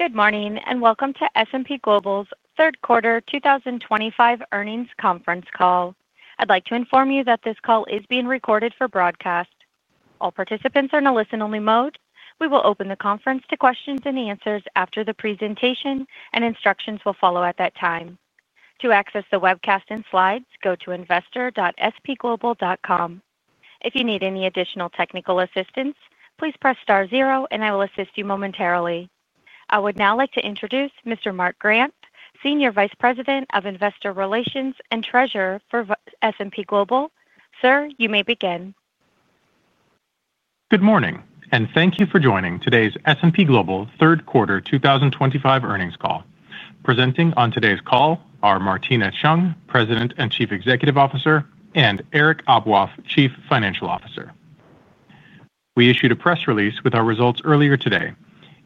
Good morning and welcome to S&P Global's third quarter 2025 earnings conference call. I'd like to inform you that this call is being recorded for broadcast. All participants are in a listen-only mode. We will open the conference to questions and answers after the presentation, and instructions will follow at that time. To access the webcast and slides, go to investor.spglobal.com. If you need any additional technical assistance, please press star zero and I will assist you momentarily. I would now like to introduce Mr. Mark Grant, Senior Vice President of Investor Relations and Treasurer for S&P Global. Sir, you may begin. Good morning and thank you for joining today's S&P Global third quarter 2025 earnings call. Presenting on today's call are Martina Cheung, President and Chief Executive Officer, and Eric Aboaf, Chief Financial Officer. We issued a press release with our results earlier today.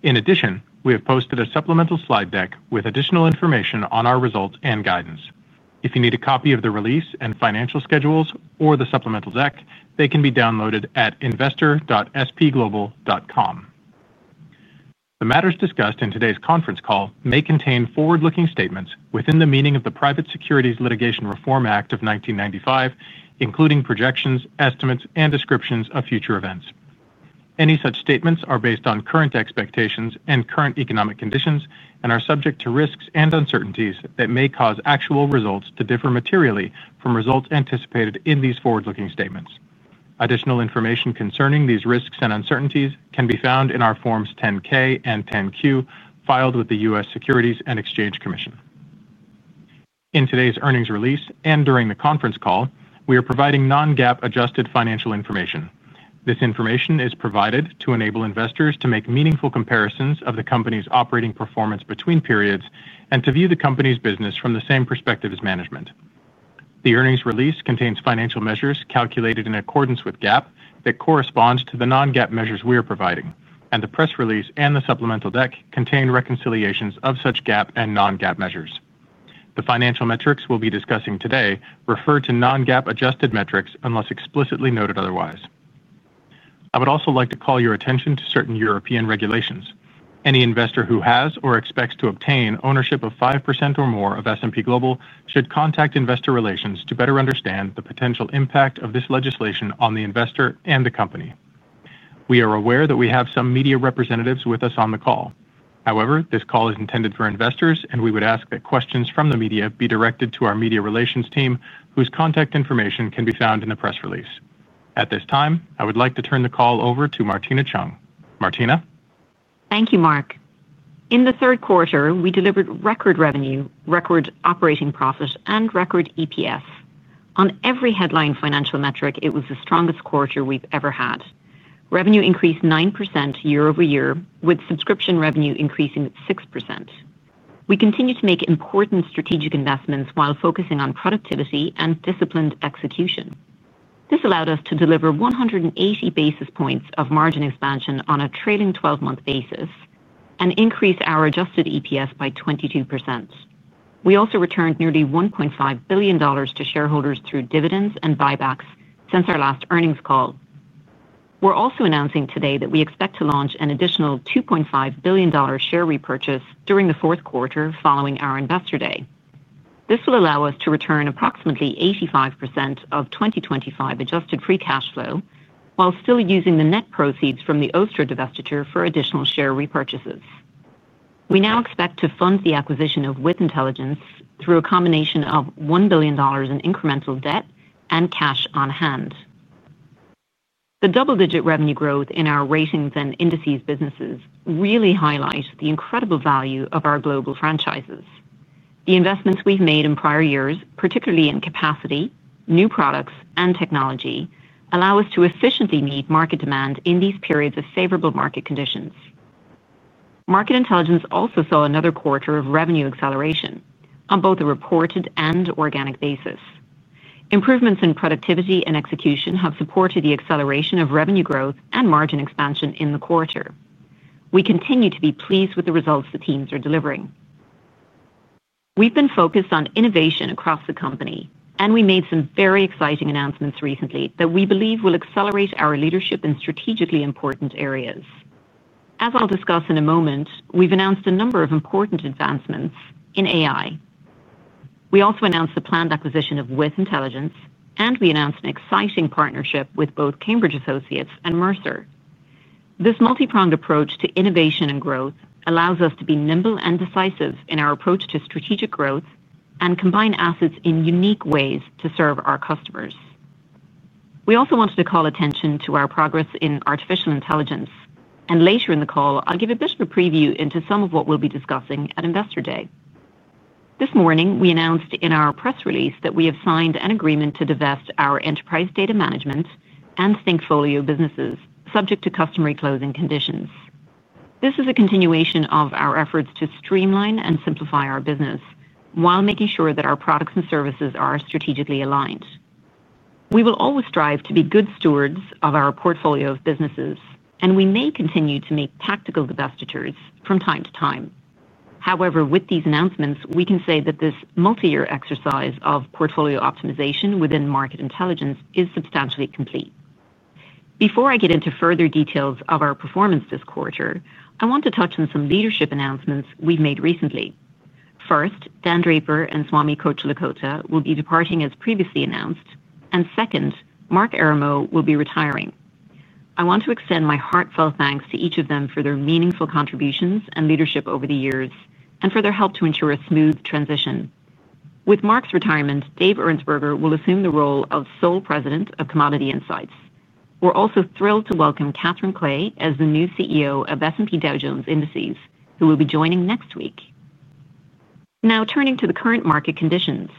In addition, we have posted a supplemental slide deck with additional information on our results and guidance. If you need a copy of the release and financial schedules or the supplemental deck, they can be downloaded at investor.spglobal.com. The matters discussed in today's conference call may contain forward-looking statements within the meaning of the Private Securities Litigation Reform Act of 1995, including projections, estimates, and descriptions of future events. Any such statements are based on current expectations and current economic conditions and are subject to risks and uncertainties that may cause actual results to differ materially from results anticipated in these forward-looking statements. Additional information concerning these risks and uncertainties can be found in our Forms 10-K and 10-Q filed with the U.S. Securities and Exchange Commission. In today's earnings release and during the conference call, we are providing non-GAAP adjusted financial information. This information is provided to enable investors to make meaningful comparisons of the Company's operating performance between periods and to view the Company's business from the same perspective as management. The earnings release contains financial measures calculated in accordance with GAAP that correspond to the non-GAAP measures we are providing, and the press release and the supplemental deck contain reconciliations of such GAAP and non-GAAP measures. The financial metrics we'll be discussing today refer to non-GAAP adjusted metrics unless explicitly noted otherwise. I would also like to call your attention to certain European regulations. Any investor who has or expects to obtain ownership of 5% or more of S&P Global should contact Investor Relations to better understand the potential impact of this legislation on the investor and the company. We are aware that we have some media representatives with us on the call. However, this call is intended for investors and we would ask that questions from the media be directed to our media relations team, whose contact information can be found in the press release. At this time, I would like to turn the call over to Martina Cheung. Martina, thank you. Mark, in the third quarter we delivered record revenue, record operating profit, and record EPS on every headline financial metric. It was the strongest quarter we've ever had. Revenue increased 9% year-over-year with subscription revenue increasing at 6%. We continue to make important strategic investments while focusing on productivity and disciplined execution. This allowed us to deliver 180 basis points of margin expansion on a trailing 12-month basis and increase our adjusted EPS by 22%. We also returned nearly $1.5 billion to shareholders through dividends and buybacks since our last earnings call. We're also announcing today that we expect to launch an additional $2.5 billion share repurchase during the fourth quarter following our invest. This will allow us to return approximately 85% of 2025 adjusted free cash flow while still using the net proceeds from the Ostra divestiture for additional share repurchases. We now expect to fund the acquisition of With Intelligence through a combination of $1 billion in incremental debt and cash on hand. The double-digit revenue growth in our ratings and indices businesses really highlight the incredible value of our global franchises. The investments we've made in prior years, particularly in capacity, new products, and technology, allow us to efficiently meet market demand in these periods of favorable market conditions. Market Intelligence also saw another quarter of revenue acceleration on both a reported and organic basis. Improvements in productivity and execution have supported the acceleration of revenue growth and margin expansion in the quarter. We continue to be pleased with the results the teams are delivering. We've been focused on innovation across the company and we made some very exciting announcements recently that we believe will accelerate our leadership in strategically important areas. As I'll discuss in a moment, we've announced a number of important advancements in AI. We also announced the planned acquisition of With Intelligence and we announced an exciting partnership with both Cambridge Associates and Mercer. This multi-pronged approach to innovation and growth allows us to be nimble and decisive in our approach to strategic growth and combine assets in unique ways to serve our customers. We also wanted to call attention to our progress in artificial intelligence and later in the call, I'll give a bit of a preview into some of what we'll be discussing at Investor Day. This morning we announced in our press release that we have signed an agreement to divest our enterprise Data Management and thinkFolio businesses, subject to customary closing conditions. This is a continuation of our efforts to streamline and simplify our business while making sure that our products and services are strategically aligned. We will always strive to be good stewards of our portfolio of businesses, and we may continue to make tactical divestitures from time to time. However, with these announcements, we can say that this multi-year exercise of portfolio optimization within Market Intelligence is substantially complete. Before I get into further details of our performance this quarter, I want to touch on some leadership announcements we've made recently. First, Dan Draper and Swamy Kocherlakota will be departing as previously announced, and second, Mark Eramo will be retiring. I want to extend my heartfelt thanks to each of them for their meaningful contributions and leadership over the years and for their help to ensure a smooth transition. With Mark's retirement, Dave Ernsberger will assume the role of sole President of Commodity Insights. We're also thrilled to welcome Catherine Clay as the new CEO of S&P Dow Jones Indices, who will be joining next week. Now turning to the current market conditions,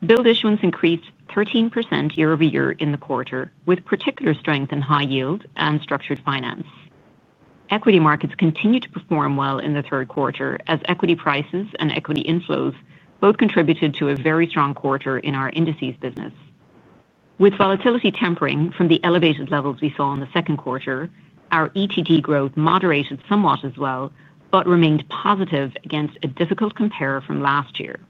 bond issuance increased 13% year-over-year in the quarter, with particular strength in high yield and structured finance. Equity markets continued to perform well in the third quarter as equity prices and equity inflows both contributed to a very strong quarter in our Indices business. With volatility tempering from the elevated levels we saw in the second quarter, our ETD growth moderated somewhat as well, but remained positive against a difficult compare from last year.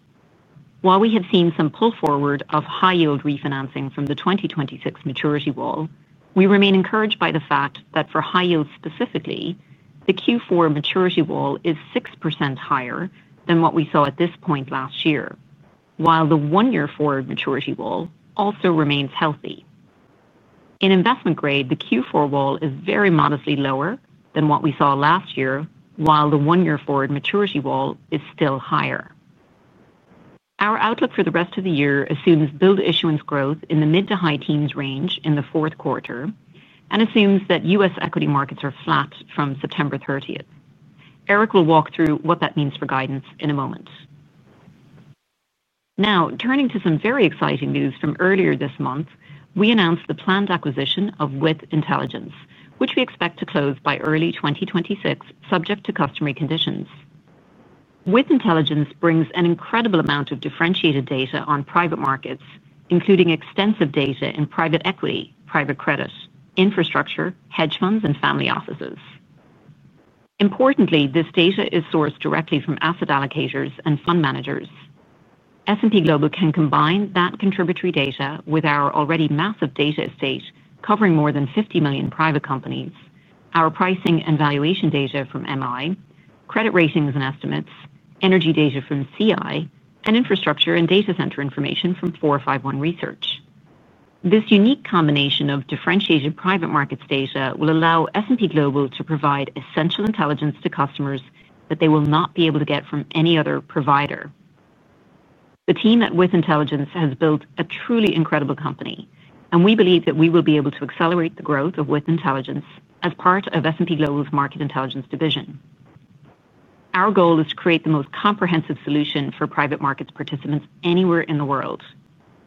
While we have seen some pull forward of high yield refinancing from the 2026 maturity wall, we remain encouraged by the fact that for high yield specifically, the Q4 maturity wall is 6% higher than what we saw at this point last year. While the one-year forward maturity wall also remains healthy in investment grade, the Q4 wall is very modestly lower than what we saw last year, while the one-year forward maturity wall is still higher. Our outlook for the rest of the year assumes bond issuance growth in the mid to high teens range in the fourth quarter and assumes that U.S. equity markets are flat from September 30th. Eric will walk through what that means for guidance in a moment. Now turning to some very exciting news from earlier this month, we announced the planned acquisition of With Intelligence, which we expect to close by early 2026, subject to customary conditions. With Intelligence brings an incredible amount of differentiated data on private markets, including extensive data in private equity, private credit, infrastructure, hedge funds, and family offices. Importantly, this data is sourced directly from asset allocators and fund managers. S&P Global can combine that contributory data with our already massive data estate covering more than 50 million private companies, our pricing and valuation data from Market Intelligence, credit ratings and estimates, energy data from Commodity Insights, and infrastructure and data center information from 451 Research. This unique combination of differentiated private markets data will allow S&P Global to provide essential intelligence to customers that they will not be able to get from any other provider. The team at With Intelligence has built a truly incredible company, and we believe that we will be able to accelerate the growth of With Intelligence as part of S&P Global's Market Intelligence division. Our goal is to create the most comprehensive solution for private markets participants anywhere in the world.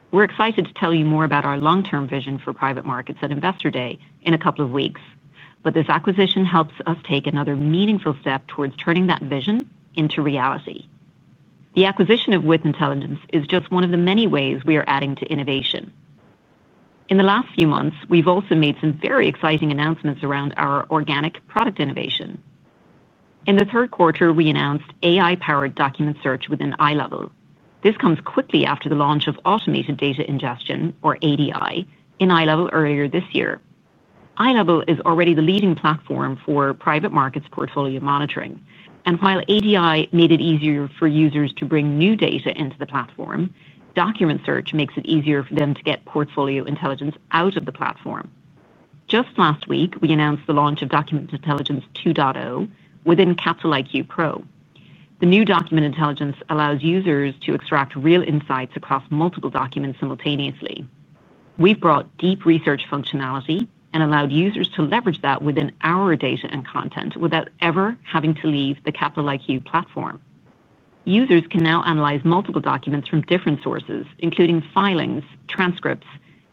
We're excited to tell you more about our long-term vision for private markets at Investor Day in a couple of weeks, but this acquisition helps us take another meaningful step towards turning that vision into reality. The acquisition of With Intelligence is just one of the many ways we are adding to innovation. In the last few months, we've also made some very exciting announcements around our organic product innovation. In the third quarter, we announced AI-powered Document Search within iLEVEL. This comes quickly after the launch of Automated Data Ingestion, or ADI, in iLEVEL earlier this year. iLEVEL is already the leading platform for private markets portfolio monitoring, and while ADI made it easier for users to bring new data into the platform, Document Search makes it easier for them to get portfolio intelligence out of the platform. Just last week, we announced the launch of Document Intelligence 2.0 within Capital IQ Pro. The new Document Intelligence allows users to extract real insights across multiple documents simultaneously. We've brought deep research functionality and allowed users to leverage that within our data and content without ever having to leave the Capital IQ platform. Users can now analyze multiple documents from different sources, including filings, transcripts,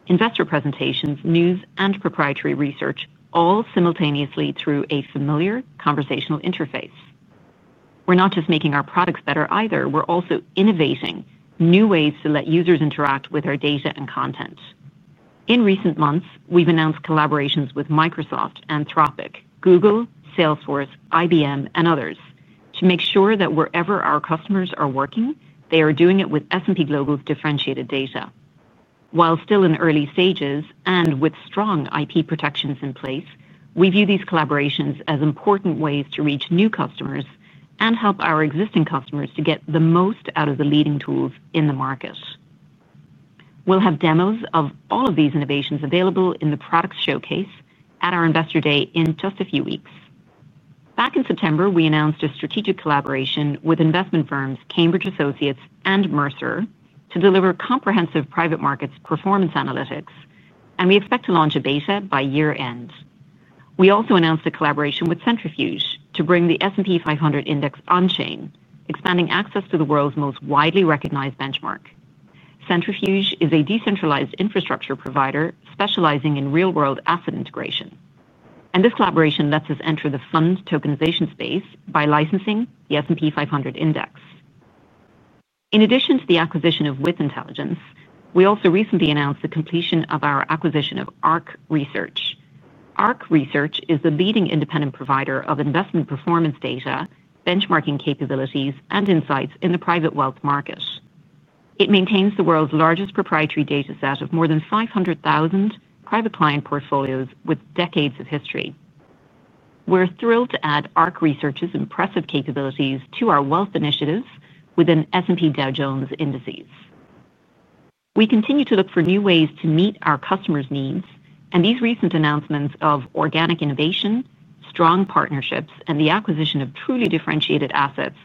investor presentations, news, and proprietary research all simultaneously through a familiar conversational interface. We're not just making our products better either, we're also innovating new ways to let users interact with our data and content. In recent months, we've announced collaborations with Microsoft, Anthropic, Google, Salesforce, IBM, and others to make sure that wherever our customers are working, they are doing it with S&P Global differentiated data. While still in early stages and with strong IP protections in place, we view these collaborations as important ways to reach new customers and help our existing customers to get the most out of the leading tools in the market. We'll have demos of all of these innovations available in the Products Showcase at our Investor Day in just a few weeks. Back in September, we announced a strategic collaboration with investment firms Cambridge Associates and Mercer to deliver comprehensive private markets performance analytics, and we expect to launch a beta by year end. We also announced a collaboration with Centrifuge to bring the S&P 500 index on chain, expanding access to the world's most widely recognized benchmark. Centrifuge is a decentralized infrastructure provider specializing in real-world asset integration, and this collaboration lets us enter the fund tokenization space by licensing the S&P 500 index. In addition to the acquisition of With Intelligence, we also recently announced the completion of our acquisition of ARC Research. ARC Research is the leading independent provider of investment performance data, benchmarking capabilities, and insights in the private wealth market. It maintains the world's largest proprietary data set of more than 500,000 private client portfolios. With decades of history, we're thrilled to add ARC Research's impressive capabilities to our wealth initiatives within S&P Dow Jones Indices. We continue to look for new ways to meet our customers' needs, and these recent announcements of organic innovation, strong partnerships, and the acquisition of truly differentiated assets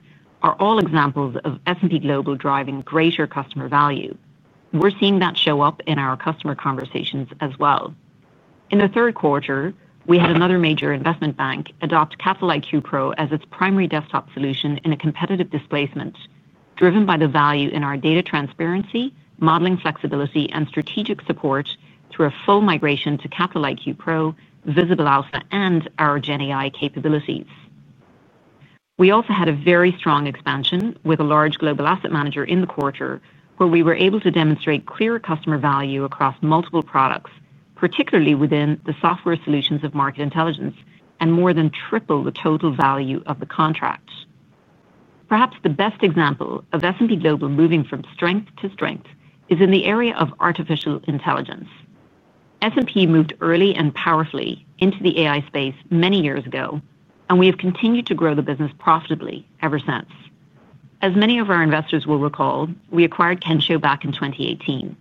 are all examples of S&P Global driving greater customer value. We're seeing that show up in our customer conversations as well. In the third quarter, we had another major investment bank adopt Capital IQ Pro as its primary desktop solution in a competitive displacement driven by the value in our data transparency, modeling, flexibility, and strategic support. Through a full migration to Capital IQ Pro, Visible Alpha, and our GenAI capabilities, we also had a very strong expansion with a large global asset manager in the quarter where we were able to demonstrate clear customer value across multiple products, particularly within the software solutions of Market Intelligence, and more than triple the total value of the contract. Perhaps the best example of S&P Global moving from strength to strength is in the area of artificial intelligence. S&P Global moved early and powerfully into the AI space many years ago, and we have continued to grow the business profitably ever since. As many of our investors will recall, we acquired Kensho back in 2018.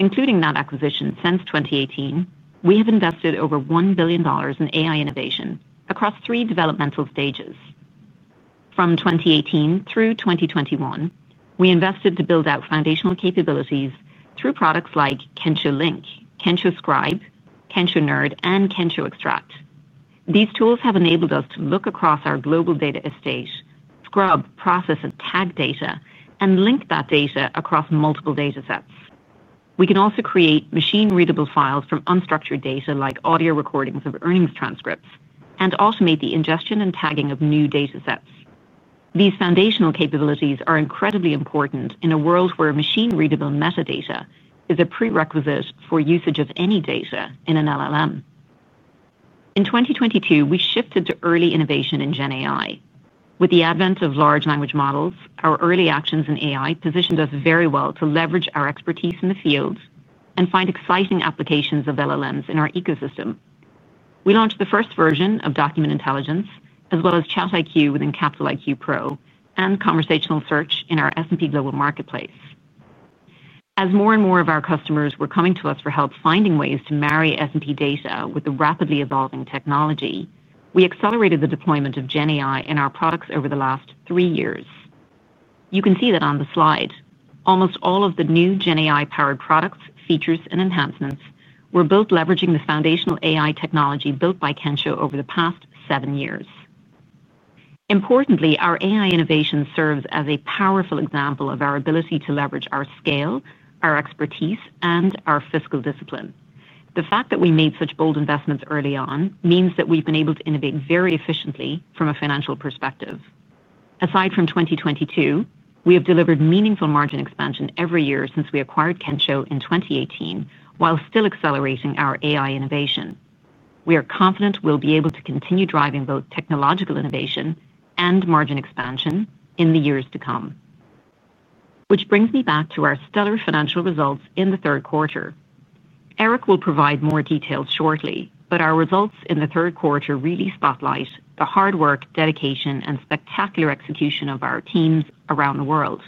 Including that acquisition, since 2018 we have invested over $1 billion in AI innovation across three developmental stages. From 2018 through 2021, we invested to build out foundational capabilities through products like Kensho Link, Kensho Scribe, Kensho NERD, and Kensho Extract. These tools have enabled us to look across our global data estate, scrub, process, and tag data, and link that data across multiple data sets. We can also create machine-readable files from unstructured data like audio recordings of earnings transcripts, and automate the ingestion and tagging of new data sets. These foundational capabilities are incredibly important in a world where machine-readable metadata is a prerequisite for usage of any data in an LLM. In 2022, we shifted to early innovation in GenAI with the advent of large language models. Our early actions in AI positioned us very well to leverage our expertise in the field and find exciting applications of LLMs in our ecosystem. We launched the first version of Document Intelligence as well as ChartIQ within Capital IQ Pro and Conversational Search in our S&P Global Marketplace. As more and more of our customers were coming to us for help finding ways to marry S&P Global data with the rapidly evolving technology, we accelerated the deployment of GenAI in our products over the last three years. You can see that on the slide. Almost all of the new GenAI-powered products, features, and enhancements were both leveraging the foundational AI technology built by Kensho over the past seven years. Importantly, our AI innovation serves as a powerful example of our ability to leverage our scale, our expertise, and our fiscal discipline. The fact that we made such bold investments early on means that we've been able to innovate very efficiently from a financial perspective. Aside from 2022, we have delivered meaningful margin expansion every year since we acquired Kensho in 2018 while still accelerating our AI innovation. We are confident we'll be able to continue driving both technological innovation and margin expansion in the years to come. This brings me back to our stellar financial results in the third quarter. Eric will provide more details shortly, but our results in the third quarter really spotlight the hard work, dedication, and spectacular execution of our teams around the world.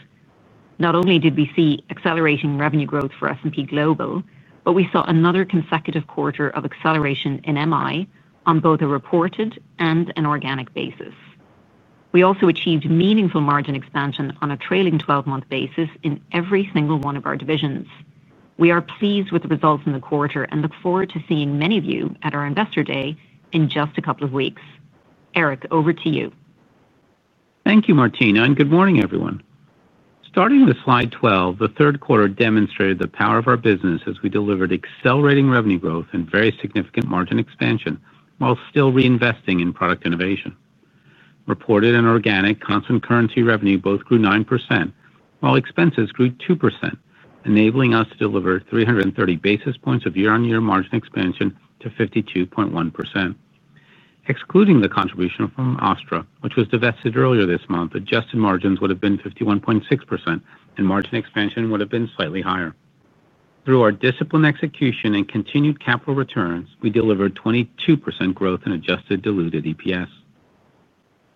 Not only did we see accelerating revenue growth for S&P Global, but we saw another consecutive quarter of acceleration in Market Intelligence on both a reported and an organic basis. We also achieved meaningful margin expansion on a trailing twelve month basis in every single one of our divisions. We are pleased with the results in the quarter and look forward to seeing many of you at our Investor Day in just a couple of weeks. Eric, over to you. Thank you, Martina, and good morning, everyone. Starting with Slide 12, the third quarter demonstrated the power of our business as we delivered accelerating revenue growth and very significant margin expansion while still reinvesting in product innovation. Reported and organic constant currency revenue both grew 9% while expenses grew 2%, enabling us to deliver 330 basis points of year-on-year margin expansion to 52.1%. Excluding the contribution from Ostra, which was divested earlier this month, adjusted margins would have been 51.6%, and margin expansion would have been slightly higher. Through our disciplined execution and continued capital returns, we delivered 22% growth in adjusted diluted EPS.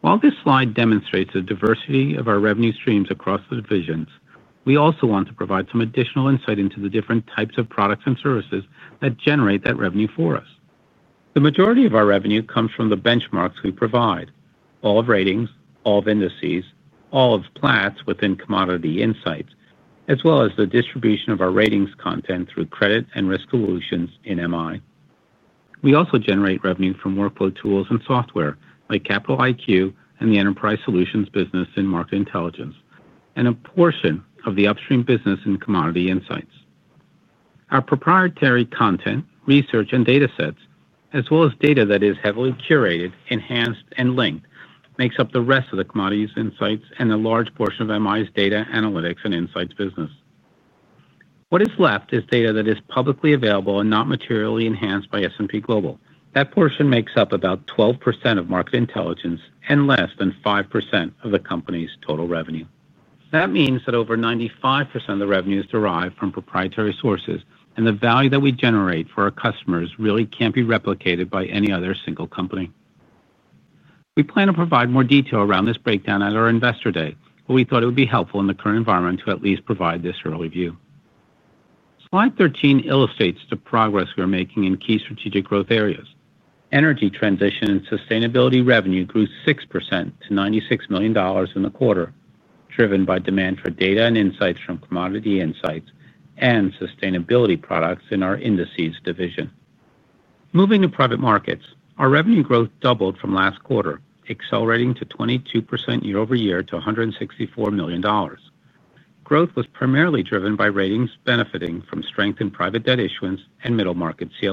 While this slide demonstrates the diversity of our revenue streams across the divisions, we also want to provide some additional insight into the different types of products and services that generate that revenue for us. The majority of our revenue comes from the benchmarks. We provide all of Ratings, all of Indices, all of Platts within Commodity Insights, as well as the distribution of our Ratings content through Credit and Risk Solutions in Market Intelligence. We also generate revenue from workflow tools and software like Capital IQ and the Enterprise Solutions business in Market Intelligence and a portion of the upstream business in Commodity Insights. Our proprietary content, research, and data sets, as well as data that is heavily curated, enhanced, and linked, makes up the rest of the Commodity Insights and a large portion of Market Intelligence's Data Analytics and Insights business. What is left is data that is publicly available and not materially enhanced by S&P Global. That portion makes up about 12% of Market Intelligence and less than 5% of the company's total revenue. That means that over 95% of the revenue is derived from proprietary sources, and the value that we generate for our customers really can't be replicated by any other single company. We plan to provide more detail around this breakdown at our investor day, but we thought it would be helpful in the current environment to at least provide this early view. Slide 13 illustrates the progress we are making in key strategic growth areas, energy transition and sustainability. Revenue grew 6% to $96 million in the quarter, driven by demand for data and insights from Commodity Insights and Sustainability products. In our Indices division. Moving to private markets, our revenue growth doubled from last quarter, accelerating to 22% year-over-year to $164 million. Growth was primarily driven by ratings benefiting from strength in private debt issuance and middle market. S&P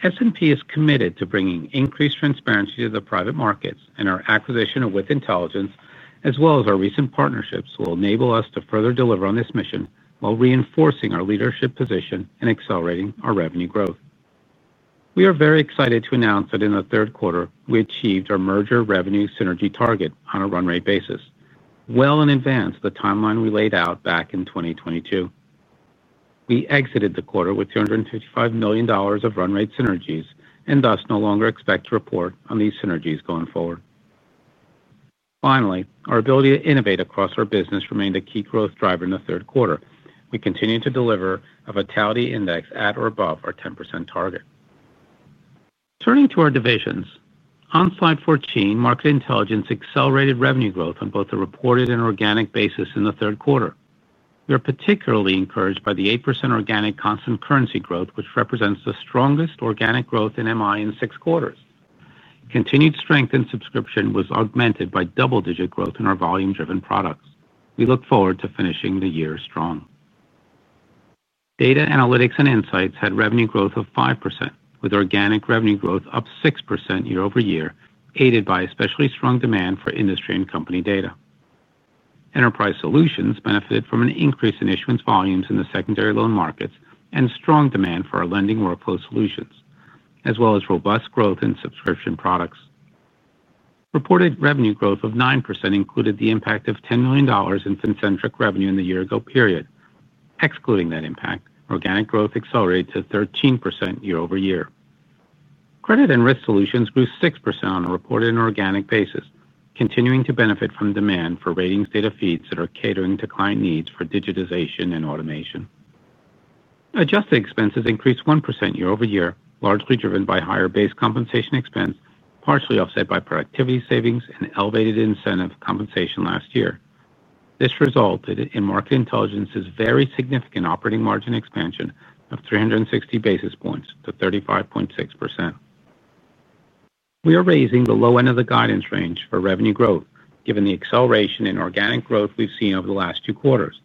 Global is committed to bringing increased transparency to the private markets and our acquisition of With Intelligence as well as our recent partnerships will enable us to further deliver on this mission while reinforcing our leadership position and accelerating our revenue growth. We are very excited to announce that in the third quarter we achieved our merger revenue synergy target on a run rate basis well in advance of the timeline we laid out back in 2022. We exited the quarter with $255 million of run rate synergies and thus no longer expect to report on these synergies going forward. Finally, our ability to innovate across our business remained a key growth driver in the third quarter. We continue to deliver a Vitality Index at or above our 10% target. Turning to our divisions on slide 14, Market Intelligence accelerated revenue growth on both a reported and organic basis in the third quarter. We are particularly encouraged by the 8% organic constant currency growth which represents the strongest organic growth in Market Intelligence in six quarters. Continued strength in subscription was augmented by double-digit growth in our volume-driven products. We look forward to finishing the year strong. Data, Analytics and Insights had revenue growth of 5% with organic revenue growth up 6% year-over-year, aided by especially strong demand for industry and company data. Enterprise Solutions benefited from an increase in issuance volumes in the secondary loan markets and strong demand for our lending workflow solutions as well as robust growth in subscription products. Reported revenue growth of 9% included the impact of $10 million in Fincentric revenue in the year-ago period. Excluding that impact, organic growth accelerated to 13% year-over-year. Credit and Risk Solutions grew 6% on a reported and organic basis, continuing to benefit from demand for ratings data feeds that are catering to client needs for digitization and automation. Adjusted expenses increased 1% year-over-year, largely driven by higher base compensation expense, partially offset by productivity savings and elevated incentive compensation. Last year this resulted in Market Intelligence's very significant operating margin expansion of 360 basis points to 35.6%. We are raising the low end of the guidance range for revenue growth given the acceleration in organic growth we've seen over the last two quarters.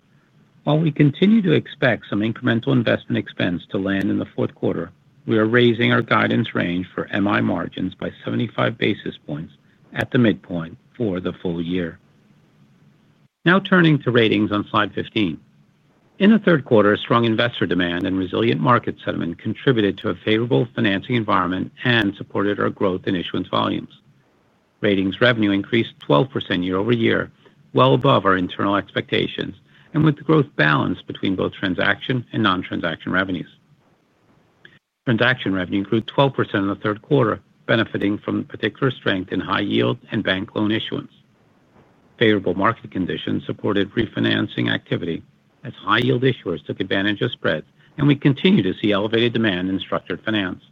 While we continue to expect some incremental investment expense to land in the fourth quarter, we are raising our guidance range for MI margins by 75 basis points at the midpoint for the full year. Now turning to Ratings on Slide 15, in the third quarter, strong investor demand and resilient market sentiment contributed to a favorable financing environment and supported our growth in issuance volumes. Ratings revenue increased 12% year-over-year, well above our internal expectations and with the growth balanced between both transaction and non-transaction revenues. Transaction revenue grew 12% in the third quarter, benefiting from particular strength in high yield and bank loan issuance. Favorable market conditions supported refinancing activity as high yield issuers took advantage of spreads, and we continue to see elevated demand in structured finance.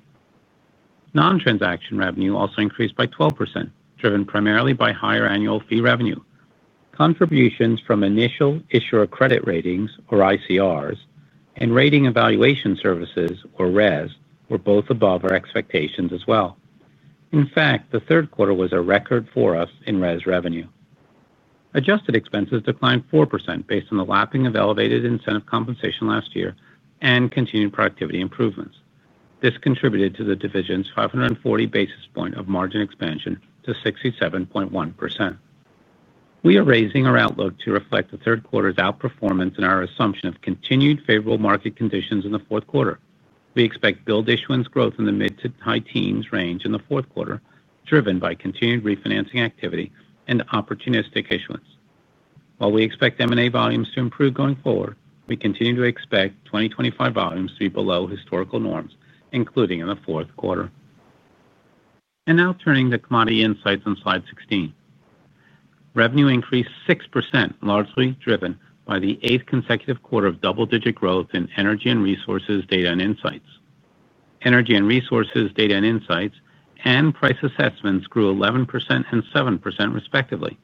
Non-transaction revenue also increased by 12%, driven primarily by higher annual fee revenue. Contributions from initial issuer credit ratings, or ICRs, and rating evaluation services, or RES, were both above our expectations as well. In fact, the third quarter was a record for us in RES revenue. Adjusted expenses declined 4% based on the lapping of elevated incentive compensation last year and continued productivity improvements. This contributed to the division's 540 basis points of margin expansion to 67.1%. We are raising our outlook to reflect the third quarter's outperformance and our assumption of continued favorable market conditions in the fourth quarter. We expect build issuance growth in the mid to high teens range in the fourth quarter, driven by continued refinancing activity and opportunistic issuance. While we expect M&A volumes to improve going forward, we continue to expect 2025 volumes to be below historical norms, including in the fourth quarter. Now turning to Commodity Insights on Slide 16, revenue increased 6%, largely driven by the eighth consecutive quarter of double-digit growth in energy and resources data and insights. Energy and Resources Data and Insights and price assessments grew 11% and 7%, respectively.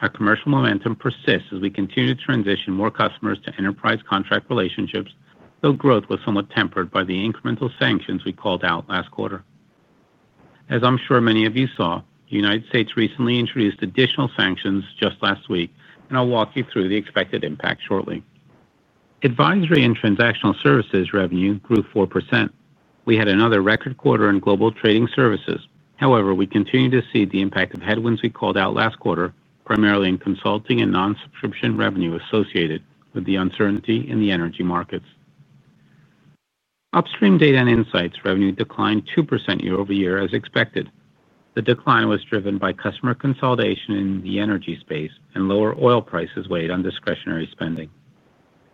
Our commercial momentum persists as we continue to transition more customers to enterprise contract relationships, though growth was somewhat tempered by the incremental sanctions we called out last quarter. As I'm sure many of you saw, the U.S. recently introduced additional sanctions just last week, and I'll walk you through the expected impact shortly. Advisory and transactional services revenue grew 4%. We had another record quarter in global trading services. However, we continue to see the impact of headwinds we called out last quarter, primarily in consulting and non-subscription revenue associated with the uncertainty in the energy markets. Upstream data and Insights revenue declined 2% year-over-year as expected. The decline was driven by customer consolidation in the energy space, and lower oil prices weighed on discretionary spending.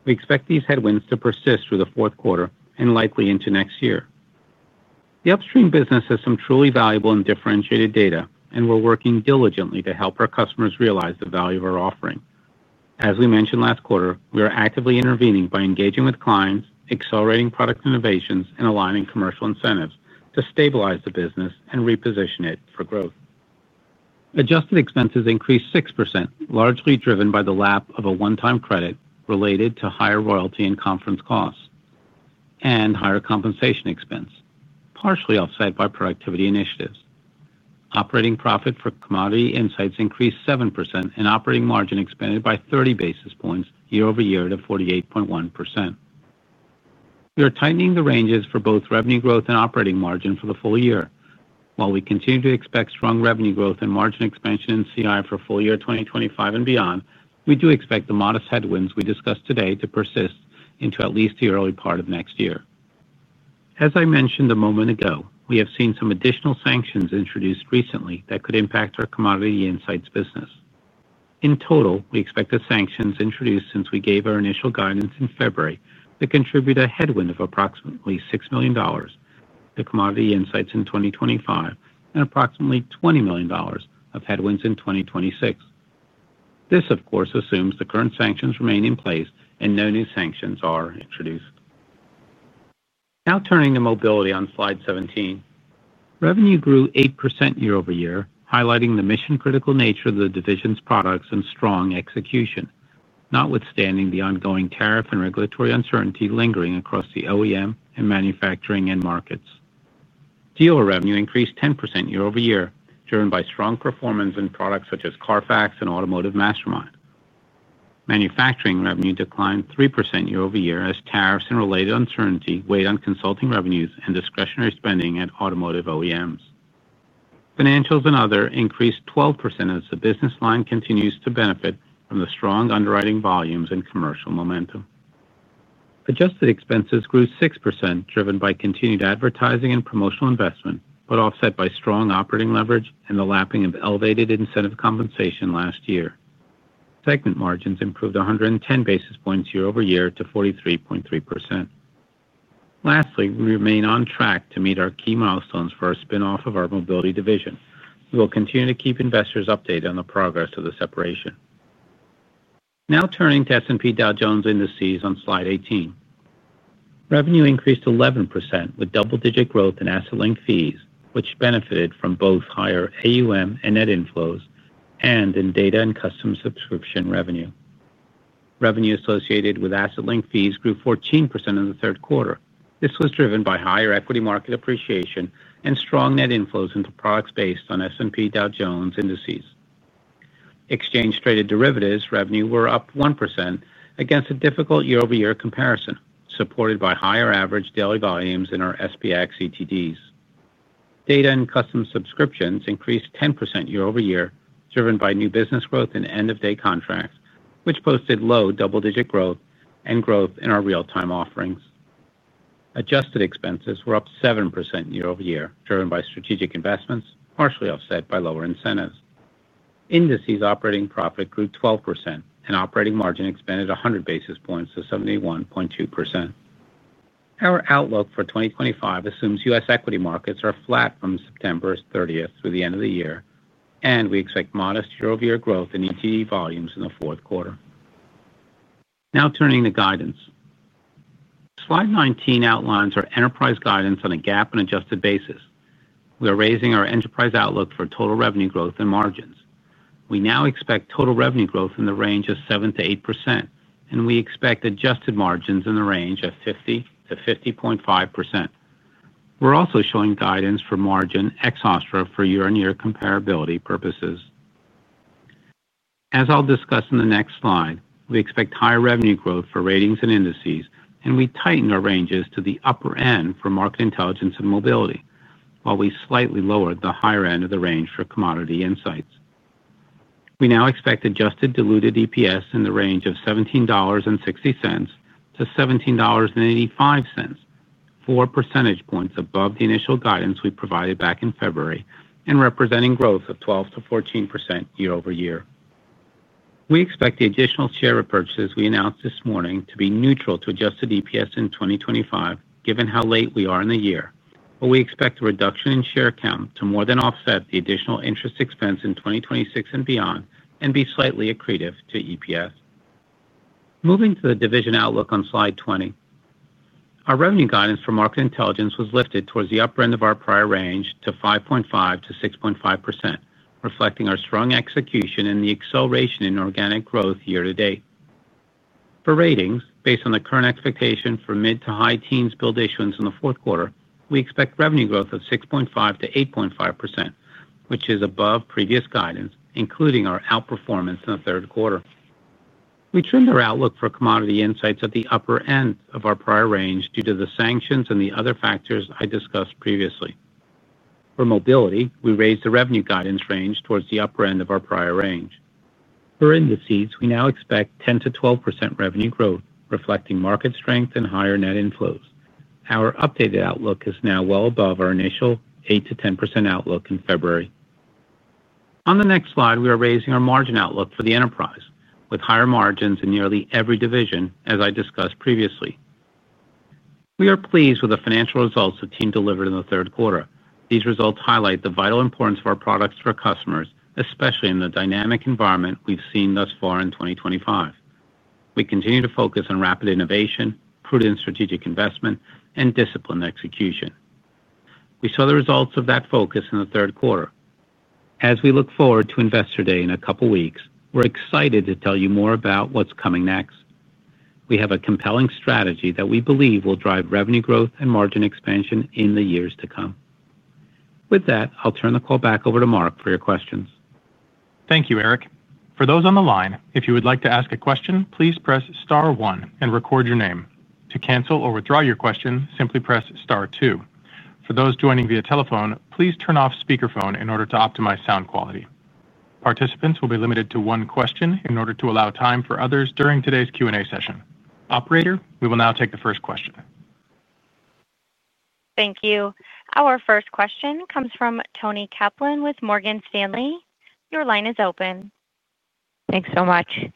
We expect these headwinds to persist through the fourth quarter and likely into next year. The upstream business has some truly valuable and differentiated data, and we're working diligently to help our customers realize the value of our offering. As we mentioned last quarter, we are actively intervening by engaging with clients, accelerating product innovations, and aligning commercial incentives to stabilize the business and reposition it for growth. Adjusted expenses increased 6%, largely driven by the lap of a one-time credit related to higher royalty and conference costs and higher compensation expense, partially offset by productivity initiatives. Operating profit for Commodity Insights increased 7%, and operating margin expanded by 30 basis points year-over-year to 48.1%. We are tightening the ranges for both revenue growth and operating margin for the full year. While we continue to expect strong revenue growth and margin expansion in CI for full year 2025 and beyond, we do expect the modest headwinds we discussed today to persist into at least the early part of next year. As I mentioned a moment ago, we have seen some additional sanctions introduced recently that could impact our Commodity Insights business. In total, we expect the sanctions introduced since we gave our initial guidance in February to contribute a headwind of approximately $6 million to Commodity Insights in 2025 and approximately $20 million of headwinds in 2026. This, of course, assumes the current sanctions remain in place and no new sanctions are introduced. Now turning to Mobility on slide 17, revenue grew 8% year-over-year, highlighting the mission-critical nature of the division's products and strong execution, notwithstanding the ongoing tariff and regulatory uncertainty lingering across the OEM and manufacturing end markets. Dealer revenue increased 10% year-over-year driven by strong performance in products such as CARFAX and AutomotiveMastermind. Manufacturing revenue declined 3% year-over-year as tariffs and related uncertainty weighed on consulting. Revenues and discretionary spending at automotive OEMs, financials and other increased 12% as the business line continues to benefit from the strong underwriting volumes and commercial momentum. Adjusted expenses grew 6% driven by continued advertising and promotional investment, but offset by strong operating leverage and the lapping of elevated incentive compensation last year. Segment margins improved 110 basis points year-over-year to 43.3%. Lastly, we remain on track to meet our key milestones for our spin-off of our Mobility division. We will continue to keep investors updated on the progress of the separation. Now turning to S&P Dow Jones Indices on slide 18. Revenue increased 11% with double-digit growth in asset-linked fees which benefited from both higher AUM and net inflows and in data and custom subscription revenue. Revenue associated with asset-linked fees grew 14% in the third quarter. This was driven by higher equity market appreciation and strong net inflows into products based on S&P Dow Jones Indices. Exchange-traded derivatives revenue were up 1% against a difficult year-over-year comparison, supported by higher average daily volumes in our SBX, ETDs, data and customs. Subscriptions increased 10% year-over-year driven by new business growth and end-of-day contracts which posted low double-digit growth and growth in our real-time offerings. Adjusted expenses were up 7% year-over-year driven by strategic investments, partially offset by lower incentives indices. Operating profit grew 12% and operating margin expanded 100 basis points to 71.2%. Our outlook for 2025 assumes U.S. equity markets are flat from September 30 through the end of the year and we expect modest year-over-year growth in ETD volumes in the fourth quarter. Now turning to guidance, slide 19 outlines our enterprise guidance on a GAAP and adjusted basis. We are raising our enterprise outlook for total revenue growth and margins. We now expect total revenue growth in the range of 7% to 8% and we expect adjusted margins in the range of 50%-50.5%. We're also showing guidance for margin ex-Ostra for year on year comparability purposes. As I'll discuss in the next slide, we expect higher revenue growth for Ratings and Indices, and we tighten our ranges to the upper end for Market Intelligence and Mobility, while we slightly lowered the higher end of the range for Commodity Insights. We now expect adjusted diluted EPS in the range of $17.60-$17.85, 4 percentage points above the initial guidance we provided back in February and representing growth of 12%-14% year-over-year. We expect the additional share repurchases we announced this morning to be neutral to adjusted EPS in 2025 given how late we are in the year, but we expect the reduction in share count to more than offset the additional interest expense in 2026 and beyond and be slightly accretive to EPS. Moving to the division outlook on Slide 20, our revenue guidance for Market Intelligence was lifted towards the upper end of our prior range to 5.5%-6.5%, reflecting our strong execution and the acceleration in organic growth year to date. For Ratings, based on the current expectation for mid to high teens billed issuance in the fourth quarter, we expect revenue growth of 6.5%-8.5%, which is above previous guidance including our outperformance in the third quarter. We trimmed our outlook for Commodity Insights at the upper end of our prior range due to the sanctions and the other factors I discussed previously. For Mobility, we raised the revenue guidance range towards the upper end of our prior range. For Indices, we now expect 10%-12% revenue growth, reflecting market strength and higher net inflows. Our updated outlook is now well above our initial 8%-10% outlook in February. On the next slide, we are raising our margin outlook for the enterprise with higher margins in nearly every division. As I discussed previously, we are pleased with the financial results the team delivered in the third quarter. These results highlight the vital importance of our products for customers, especially in the dynamic environment we've seen thus far in 2025. We continue to focus on rapid innovation, prudent strategic investment, and disciplined execution. We saw the results of that focus in the third quarter. As we look forward to Investor Day in a couple of weeks, we're excited to tell you more about what's coming next. We have a compelling strategy that we believe will drive revenue growth and margin expansion in the years to come. With that, I'll turn the call back over to Mark for your questions. Thank you, Eric. For those on the line, if you would like to ask a question, please press star one and record your name. To cancel or withdraw your question, simply press star two. For those joining via telephone, please turn off speakerphone in order to optimize sound quality. Participants will be limited to one question in order to allow time for others during today's Q&A session. Operator, we will now take the first question. Thank you. Our first question comes from Toni Kaplan with Morgan Stanley. Your line is open. Thanks so much.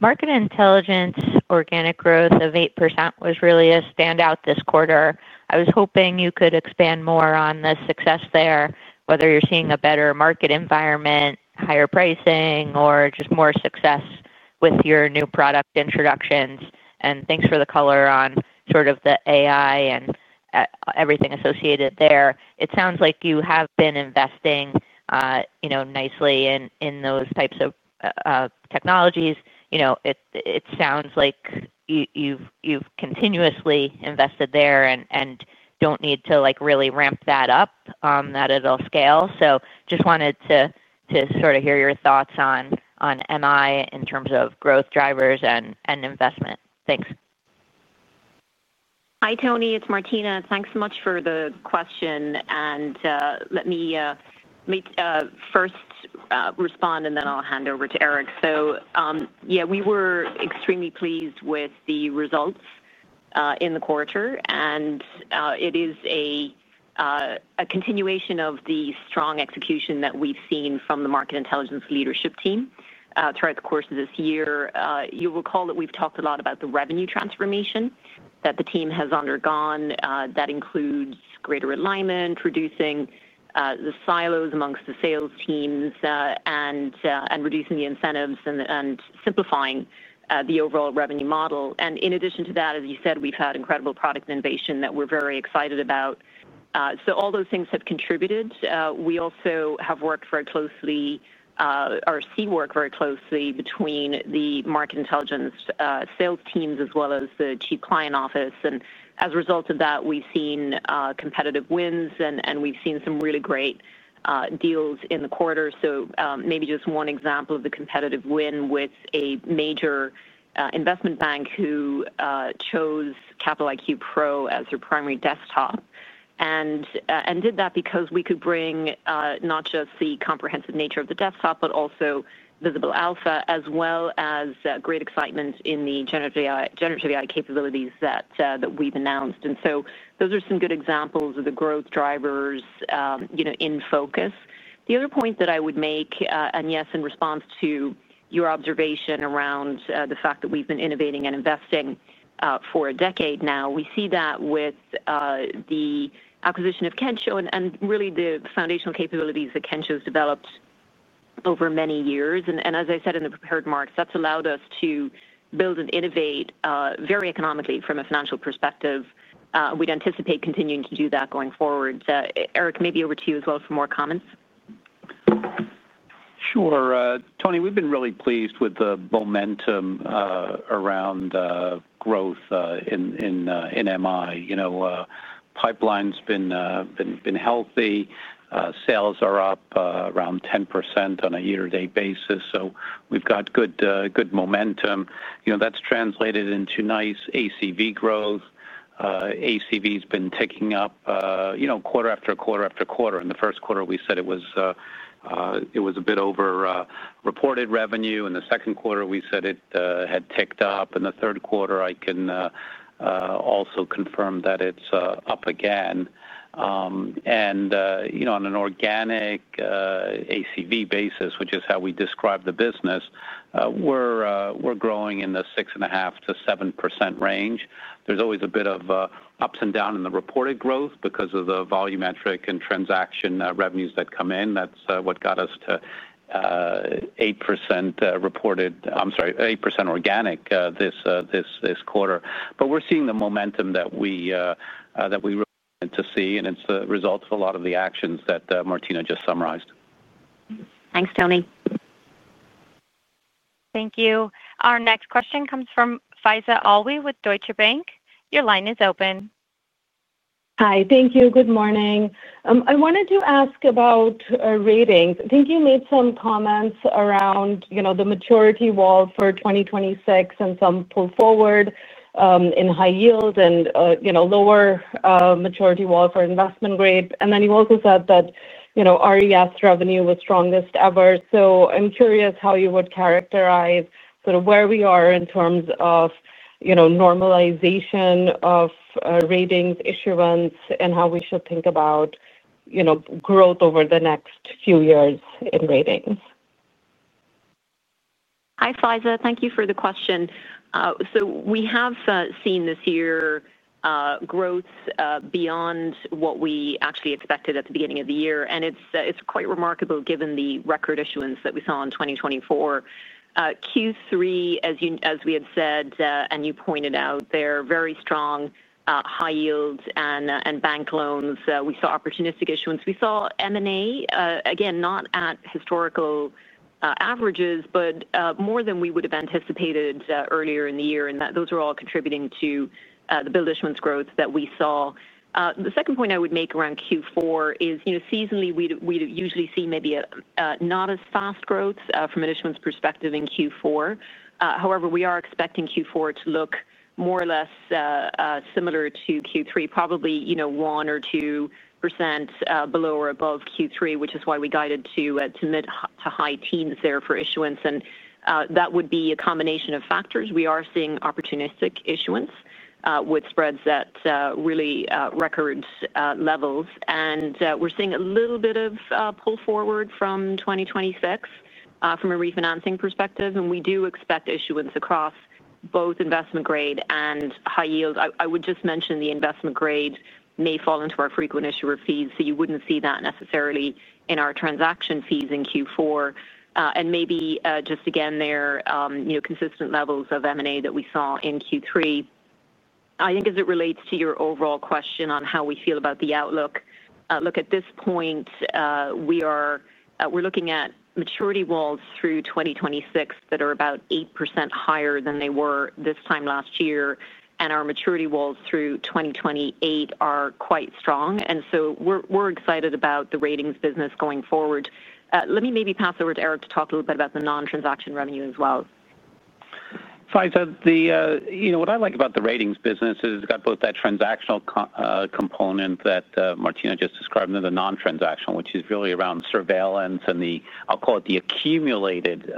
Market Intelligence organic growth of 8% was really a standout this quarter. I was hoping you could expand more on the success there. Whether you're seeing a better market environment. Higher pricing or just more success with your new product introductions. Thanks for the color on sort of the AI and everything associated there. It sounds like you have been investing. Nicely in those types of technologies. It sounds like you've continuously invested there. do not need to really ramp that. Just wanted to sort of hear your thoughts on MI in terms of growth drivers and investment. Thanks. Hi Toni, it's Martina. Thanks so much for the question and let me first respond and then I'll hand over to Eric. We were extremely pleased with the results in the quarter and it is a continuation of the strong execution that we've seen from the Market Intelligence leadership team throughout the course of this year. You recall that we've talked a lot about the revenue transformation that the team has undergone that includes greater alignment, reducing the silos amongst the sales teams, reducing the incentives, and simplifying the overall revenue model. In addition to that, as you said, we've had incredible product innovation that we're very excited about. All those things have contributed. We also have worked very closely, or see work very closely, between the Market Intelligence sales teams as well as the Chief Client Office. As a result of that, we've seen competitive wins and we've seen some really great deals in the quarter. Maybe just one example of the competitive win with a major investment bank who chose Capital IQ Pro as their primary desktop. They did that because we could bring not just the comprehensive nature of the desktop, but also Visible Alpha as well as great excitement in the generative AI capabilities that we've announced. Those are some good examples of the growth drivers in focus. The other point that I would make, and yes, in response to your observation around the fact that we've been innovating and investing for a decade now, we see that with the acquisition of Kensho and really the foundational capabilities that Kensho's developed over many years. As I said in the prepared remarks, that's allowed us to build and innovate very economically from a financial perspective. We'd anticipate continuing to do that going forward. Eric, maybe over to you as well for more comments. Sure, Toni. We've been really pleased with the momentum around growth in my pipeline's been healthy. Sales are up around 10% on a year to date basis. We've got good momentum. That's translated into nice ACV growth. ACV has been ticking up quarter after quarter after quarter. In the first quarter we said it was a bit over reported revenue. In the second quarter we said it had ticked up. In the third quarter, I can also confirm that it's up again. On an organic ACV basis, which is how we describe the business, we're growing in the 6.5%-7% range. There's always a bit of ups and down in the reported growth because of the volumetric and transaction revenues that come in. That's what got us to 8% reported. I'm sorry, 8% organic this quarter. We're seeing the momentum that we want to see and it's a result of a lot of the actions that Martina just summarized. Thanks Toni. Thank you. Our next question comes from Faiza Alwy with Deutsche Bank. Your line is open. Hi, thank you. Good morning. I wanted to ask about Ratings. I think you made some comments around the maturity wall for 2026 and some. Pull forward in high yield and lower. Maturity wall for investment grade. You also said that RES revenue was strongest ever. I'm curious how you would characterize. Sort of where we are in terms of normalization of ratings issuance and how we should think about growth over the next few years in ratings. Hi Faiza, thank you for the question. We have seen this year growth beyond what we actually expected at the beginning of the year. It's quite remarkable given the record issuance that we saw in 2024 Q3, as you pointed out, very strong high yields and bank loans. We saw opportunistic issuance. We saw M&A, again not at historical averages but more than we would have anticipated earlier in the year. Those are all contributing to the build issuance growth that we saw. The second point I would make around Q4 is, seasonally we usually see maybe not as fast growth from an issuance perspective in Q4. However, we are expecting Q4 to look more or less similar to Q3, probably 1 or 2% below or above Q3, which is why we guided to high teens there for issuance. That would be a combination of factors. We are seeing opportunistic issuance with spreads at really record levels and we're seeing a little bit of pull forward from 2026 from a refinancing perspective. We do expect issuance across both investment grade and high yield. I would just mention the investment grade may fall into our frequent issuer fees, so you wouldn't see that necessarily in our transaction fees in Q4. Maybe just again there, consistent levels of M&A that we saw in Q3. I think as it relates to your overall question on how we feel about the outlook, at this point we are looking at maturity walls through 2026 that are about 8% higher than they were this time last year. Our maturity walls through 2028 are quite strong, and so we're excited about the ratings business going forward. Let me maybe pass over to Eric. To talk a little bit about the. Non-transaction revenue as well. Faiza. What I like about the ratings business is it's got both that transactional component that Martina just described and the non-transactional, which is really around surveillance, and I'll call it the accumulated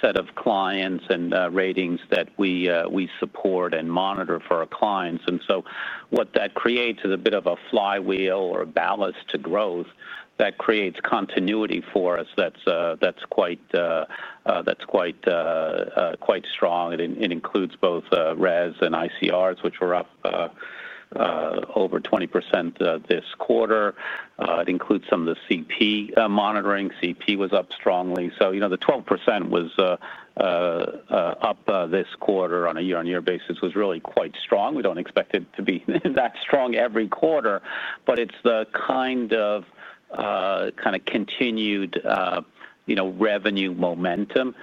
set of clients and ratings that we support and monitor for our clients. What that creates is a bit of a flywheel or ballast to growth that creates continuity for us. That's quite strong. It includes both RES and ICRs, which were up over 20% this quarter. It includes some of the CP monitoring. CP was up strongly. The 12% was up this quarter on a year-on-year basis, which was really quite strong. We don't expect it to be that strong every quarter, but it's the kind of continued revenue momentum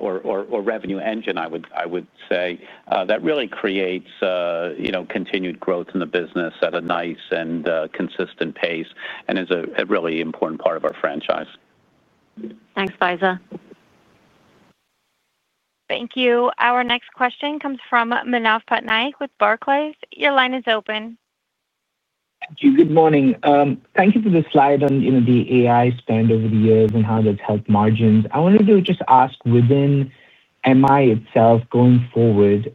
or revenue engine, I would say, that really creates continued growth in the business at a nice and consistent pace and is a really important part of our franchise. Thanks Faiza. Thank you. Our next question comes from Manav Patnaik with Barclays. Your line is open. Good morning. Thank you. For the slide on the AI spend over the years and how that's helped margins, I wanted to just ask within Market Intelligence itself going forward,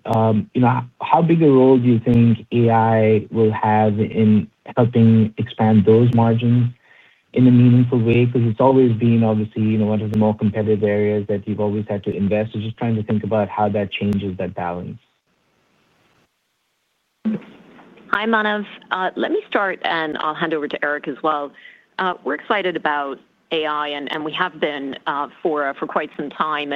you know, how big a role do you think AI will have in helping expand those margins in a meaningful way? Because it's always been, obviously, one of the more competitive areas that you've always had to invest is just trying to think about how that changes that balance. Hi Manav. Let me start and I'll hand over to Eric as well. We're excited about AI and we have been for quite some time.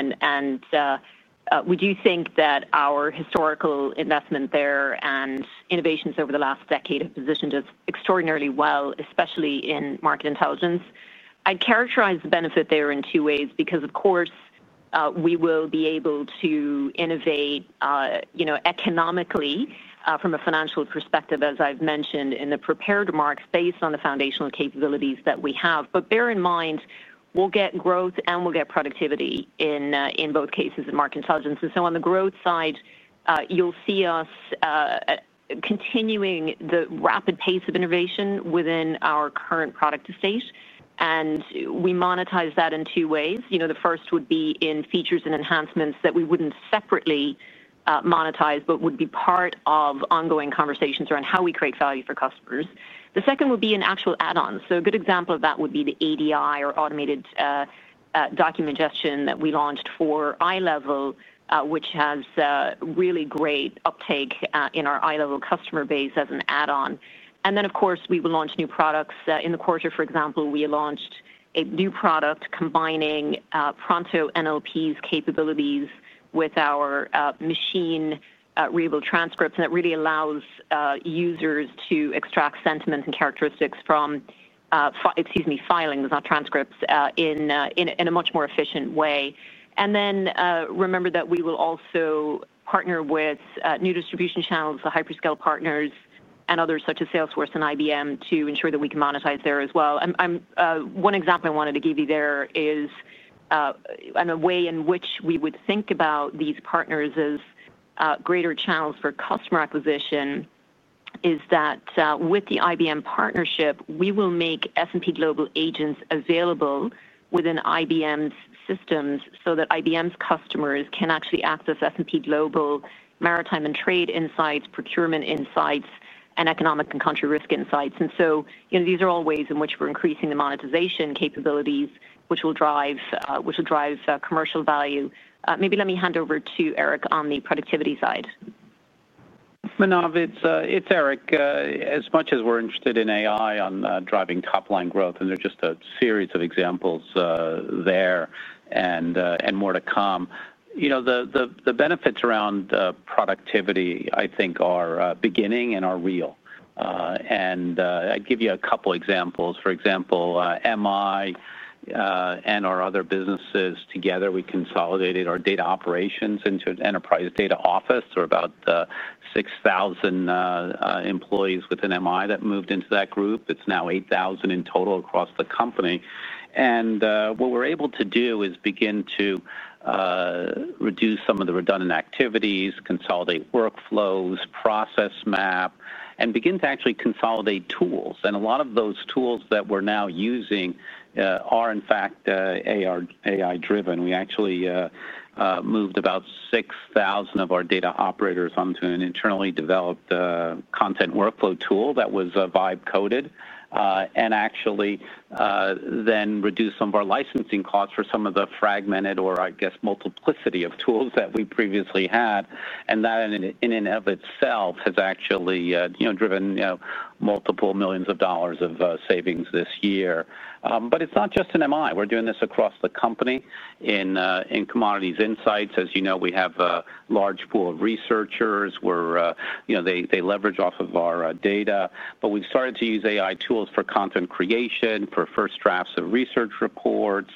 We do think that our historical investment there and innovations over the last decade have positioned us extraordinarily well, especially in Market Intelligence. I characterize the benefit there in two ways because of course we will be able to innovate economically from a financial perspective, as I've mentioned in the prepared remarks, based on the foundational capabilities that we have. Bear in mind, we'll get growth and we'll get productivity in both cases of Market Intelligence. On the growth side, you'll see us continuing the rapid pace of innovation within our current product development state. We monetize that in two ways. The first would be in features and enhancements that we wouldn't separately monetize but would be part of ongoing conversations around how we create value for customers. The second would be an actual add-on. A good example of that would be the ADI or automated documentation that we launched for iLEVEL, which has really great uptake in our iLEVEL customer base as an add-on. We will launch new products in the quarter. For example, we launched a new product combining Pronto NLP's capabilities with our machine readable filings. It really allows users to extract sentiments and characteristics from filings in a much more efficient way. Remember that we will also partner with new distribution channels, hyperscale partners and others such as Salesforce and IBM to ensure that we can monetize there as well. One example I wanted to give you, there is a way in which we would think about these partners as greater channels for customer acquisition is that with the IBM partnership we will make S&P Global agents available within IBM's systems so that IBM customers can actually access S&P Global Maritime and Trade Insights, Procurement Insights, and Economic and Country Risk Insights. These are all ways in which we're increasing the monetization capabilities which will drive commercial value. Let me hand over to Eric on the productivity side. Manav. It's Eric. As much as we're interested in AI on driving top line growth, and there are just a series of examples there and more to come, the benefits around productivity I think are beginning and are real. I'd give you a couple examples. For example, Market Intelligence and our other businesses together, we consolidated our data operations into an Enterprise Data Office, or about 6,000 employees within Market Intelligence that moved into that group. That's now 8,000 in total across the company. What we're able to do is begin to reduce some of the redundant activities, consolidate workflows, process map, and begin to actually consolidate tools. A lot of those tools that we're now using are in fact AI driven. We actually moved about 6,000 of our data operators onto an internally developed content workflow tool that was vibe coded and actually then reduced some of our licensing costs for some of the fragmented or, I guess, multiplicity of tools that we previously had. That in and of itself has actually driven multiple millions of dollars of savings this year. It's not just in Market Intelligence, we're doing this across the company in Commodity Insights. As you know, we have a large pool of researchers where they leverage off of our data. We've started to use AI tools for content creation, first drafts of research reports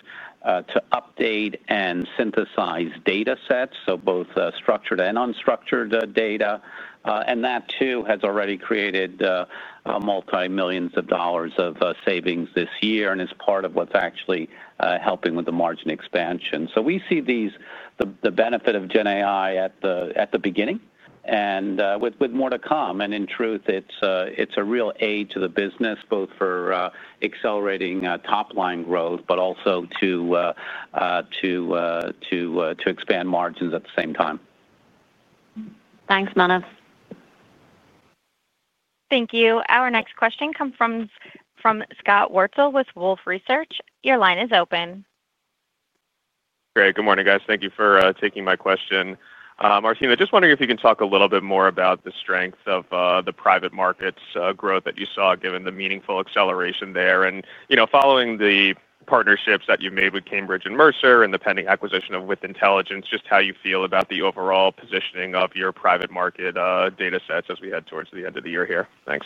to update and synthesize data sets, both structured and unstructured data. That too has already created multiple millions of dollars of savings this year and is part of what's actually helping with the margin expansion. We see the benefit of GenAI at the beginning, with more to come, and in truth it's a real aid to the business both for accelerating top line growth and to expand margins at the same time. Thanks, Manav. Thank you. Our next question comes from Scott Wurtzel with Wolfe Research. Your line is open. Great. Good morning, guys. Thank you for taking my question. Martina, just wondering if you can talk a little bit more about the strength of the private markets growth that you saw given the meaningful acceleration there, and, you know, following the partnerships that you made with Cambridge Associates and Mercer and the pending acquisition of With Intelligence, just how you feel about the overall positioning of your private markets data sets as we. Head towards the end of the year here. Thanks.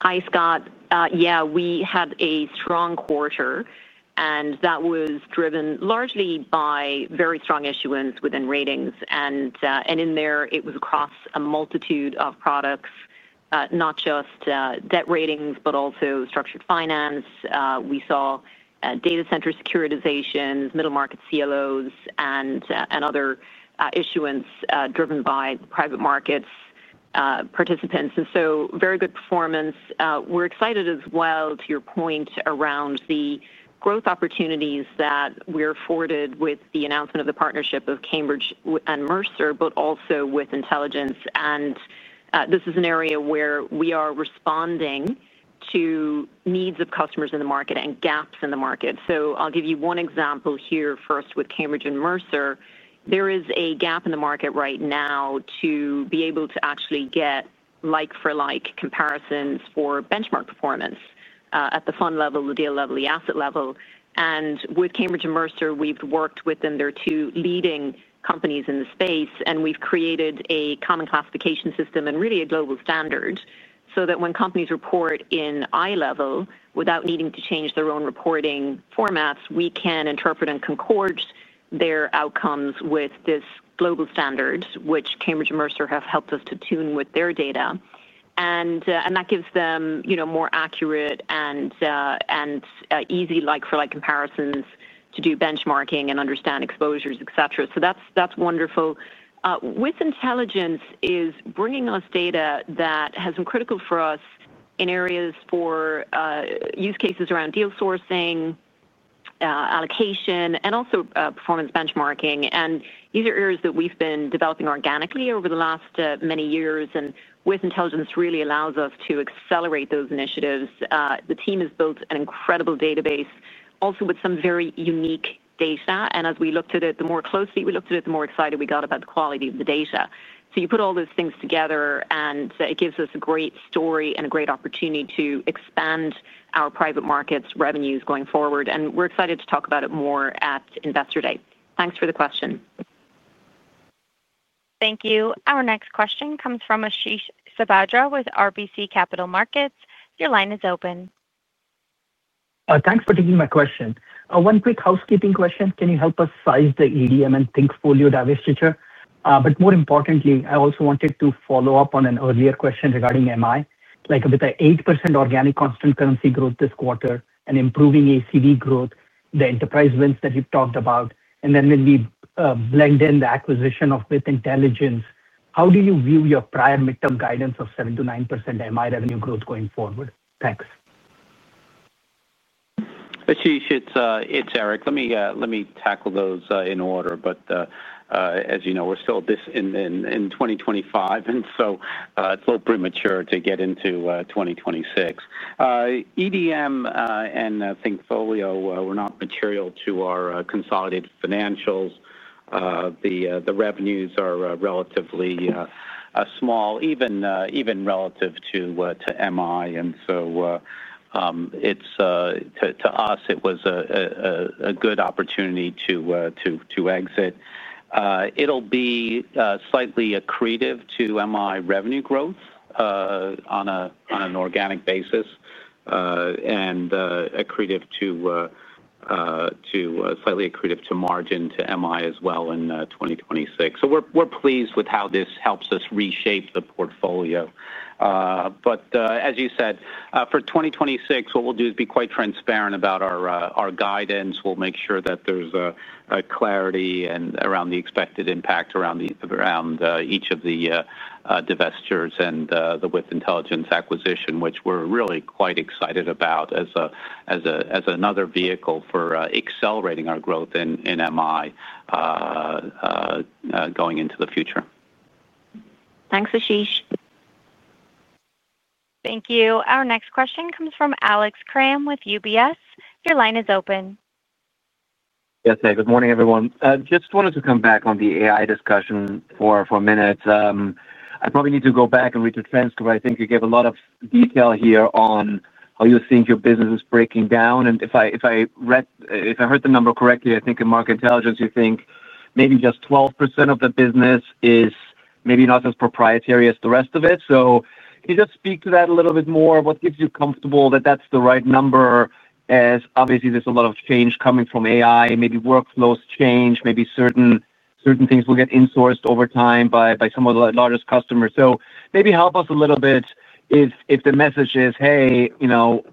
Hi Scott. Yeah, we had a strong quarter and that was driven largely by very strong issuance within ratings, and in there it was across a multitude of products, not just debt ratings, but also structured finance. We saw data center securitization, middle market close and other issuance driven by private markets participants, and very good performance. We're excited as well to your point around the growth opportunities that we're afforded with the announcement of the partnership of Cambridge Associates and Mercer, but also With Intelligence. This is an area where we are responding to needs of customers in the market and gaps in the market. I'll give you one example here. First, with Cambridge Associates and Mercer there is a gap in the market right now to be able to actually get like-for-like comparisons for benchmark performance at the fund level, the deal level, the asset level. With Cambridge Associates and Mercer, we've worked within their two leading companies in the space and we've created a common classification system and really a global standard so that when companies report in iLEVEL without needing to change their own reporting formats, we can interpret and concord their outcomes with this global standard which Cambridge Associates and Mercer have helped us to tune with their data. That gives them more accurate and easy like-for-like comparisons to do benchmarking and understand exposures, etc. That's wonderful. With Intelligence is bringing us data that has been critical for us in areas for use cases around deal sourcing, allocation and also performance benchmarking. These are areas that we've been developing organically over the last many years. With Intelligence really allows us to accelerate those initiatives. The team has built an incredible database also with some very unique data. As we looked at it, the more closely we looked at it, the more excited we got about the quality of the data. You put all those things together and it gives us a great story and a great opportunity to expand our private markets revenues going forward. We're excited to talk about it more at Investor Day. Thanks for the question. Thank you. Our next question comes from Ashish Sabadra with RBC Capital Markets. Your line is open. Thanks for taking my question. One quick housekeeping question. Can you help us size the EDM and ThinkFolio divestiture? More importantly, I also wanted to follow up on an earlier question regarding MI. With an 8% organic constant currency growth this quarter and improving ACV growth, the enterprise wins that you've talked about, when we blend in the acquisition of With Intelligence, how do you view your prior midterm guidance of 7-9% MI revenue growth going forward? Thanks, Ashish. It's Eric. Let me tackle those in order. As you know, we're still in 2025 and it's a little premature to get into 2026. EDM and ThinkFolio were not material to our consolidated financials. The revenues are relatively small even relative to MI, and to us it was a good opportunity to exit. It'll be slightly accretive to MI revenue growth on an organic basis and accretive to, slightly accretive to margin to MI as well in 2026. We're pleased with how this helps us reshape the portfolio. As you said, for 2026, what we'll do is be quite transparent about our guidance. We'll make sure that there's clarity around the expected impact around each of the divestitures and the With Intelligence acquisition, which we're really quite excited about as another vehicle for accelerating our growth in MI going into the future. Thanks, Ashish. Thank you. Our next question comes from Alex Kramm with UBS. Your line is open. Yes. Hey, good morning, everyone. Just wanted to come back on the AI discussion for a minute. I probably need to go back and read the transcript. I think you gave a lot of. Detail here on how you think your business is breaking down. If I read, if. I heard the number correctly, I think. In Market Intelligence, you think maybe just 12% of the business is maybe not as proprietary as the rest of it. Could you speak to that a little bit more? What gives you comfort that that's the right number as obviously there's a lot of change coming from AI? Maybe workflows change, maybe certain things will get insourced over time by some. Of the largest customers. If the message is, hey,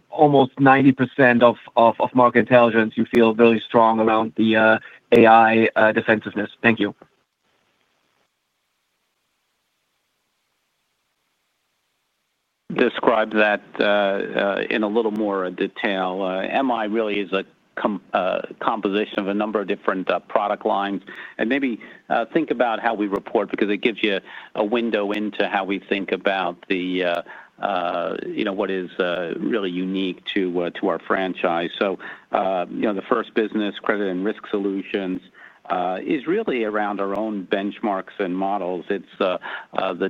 almost 90% of Market Intelligence, you feel very strong around the AI defensiveness. Thank you. Describe that in a little more detail. MI really is a composition of a number of different product lines and maybe think about how we report because it gives you a window into how we think about what is really unique to our franchise. The first business, credit and risk solutions, is really around our own benchmarks and models. It's the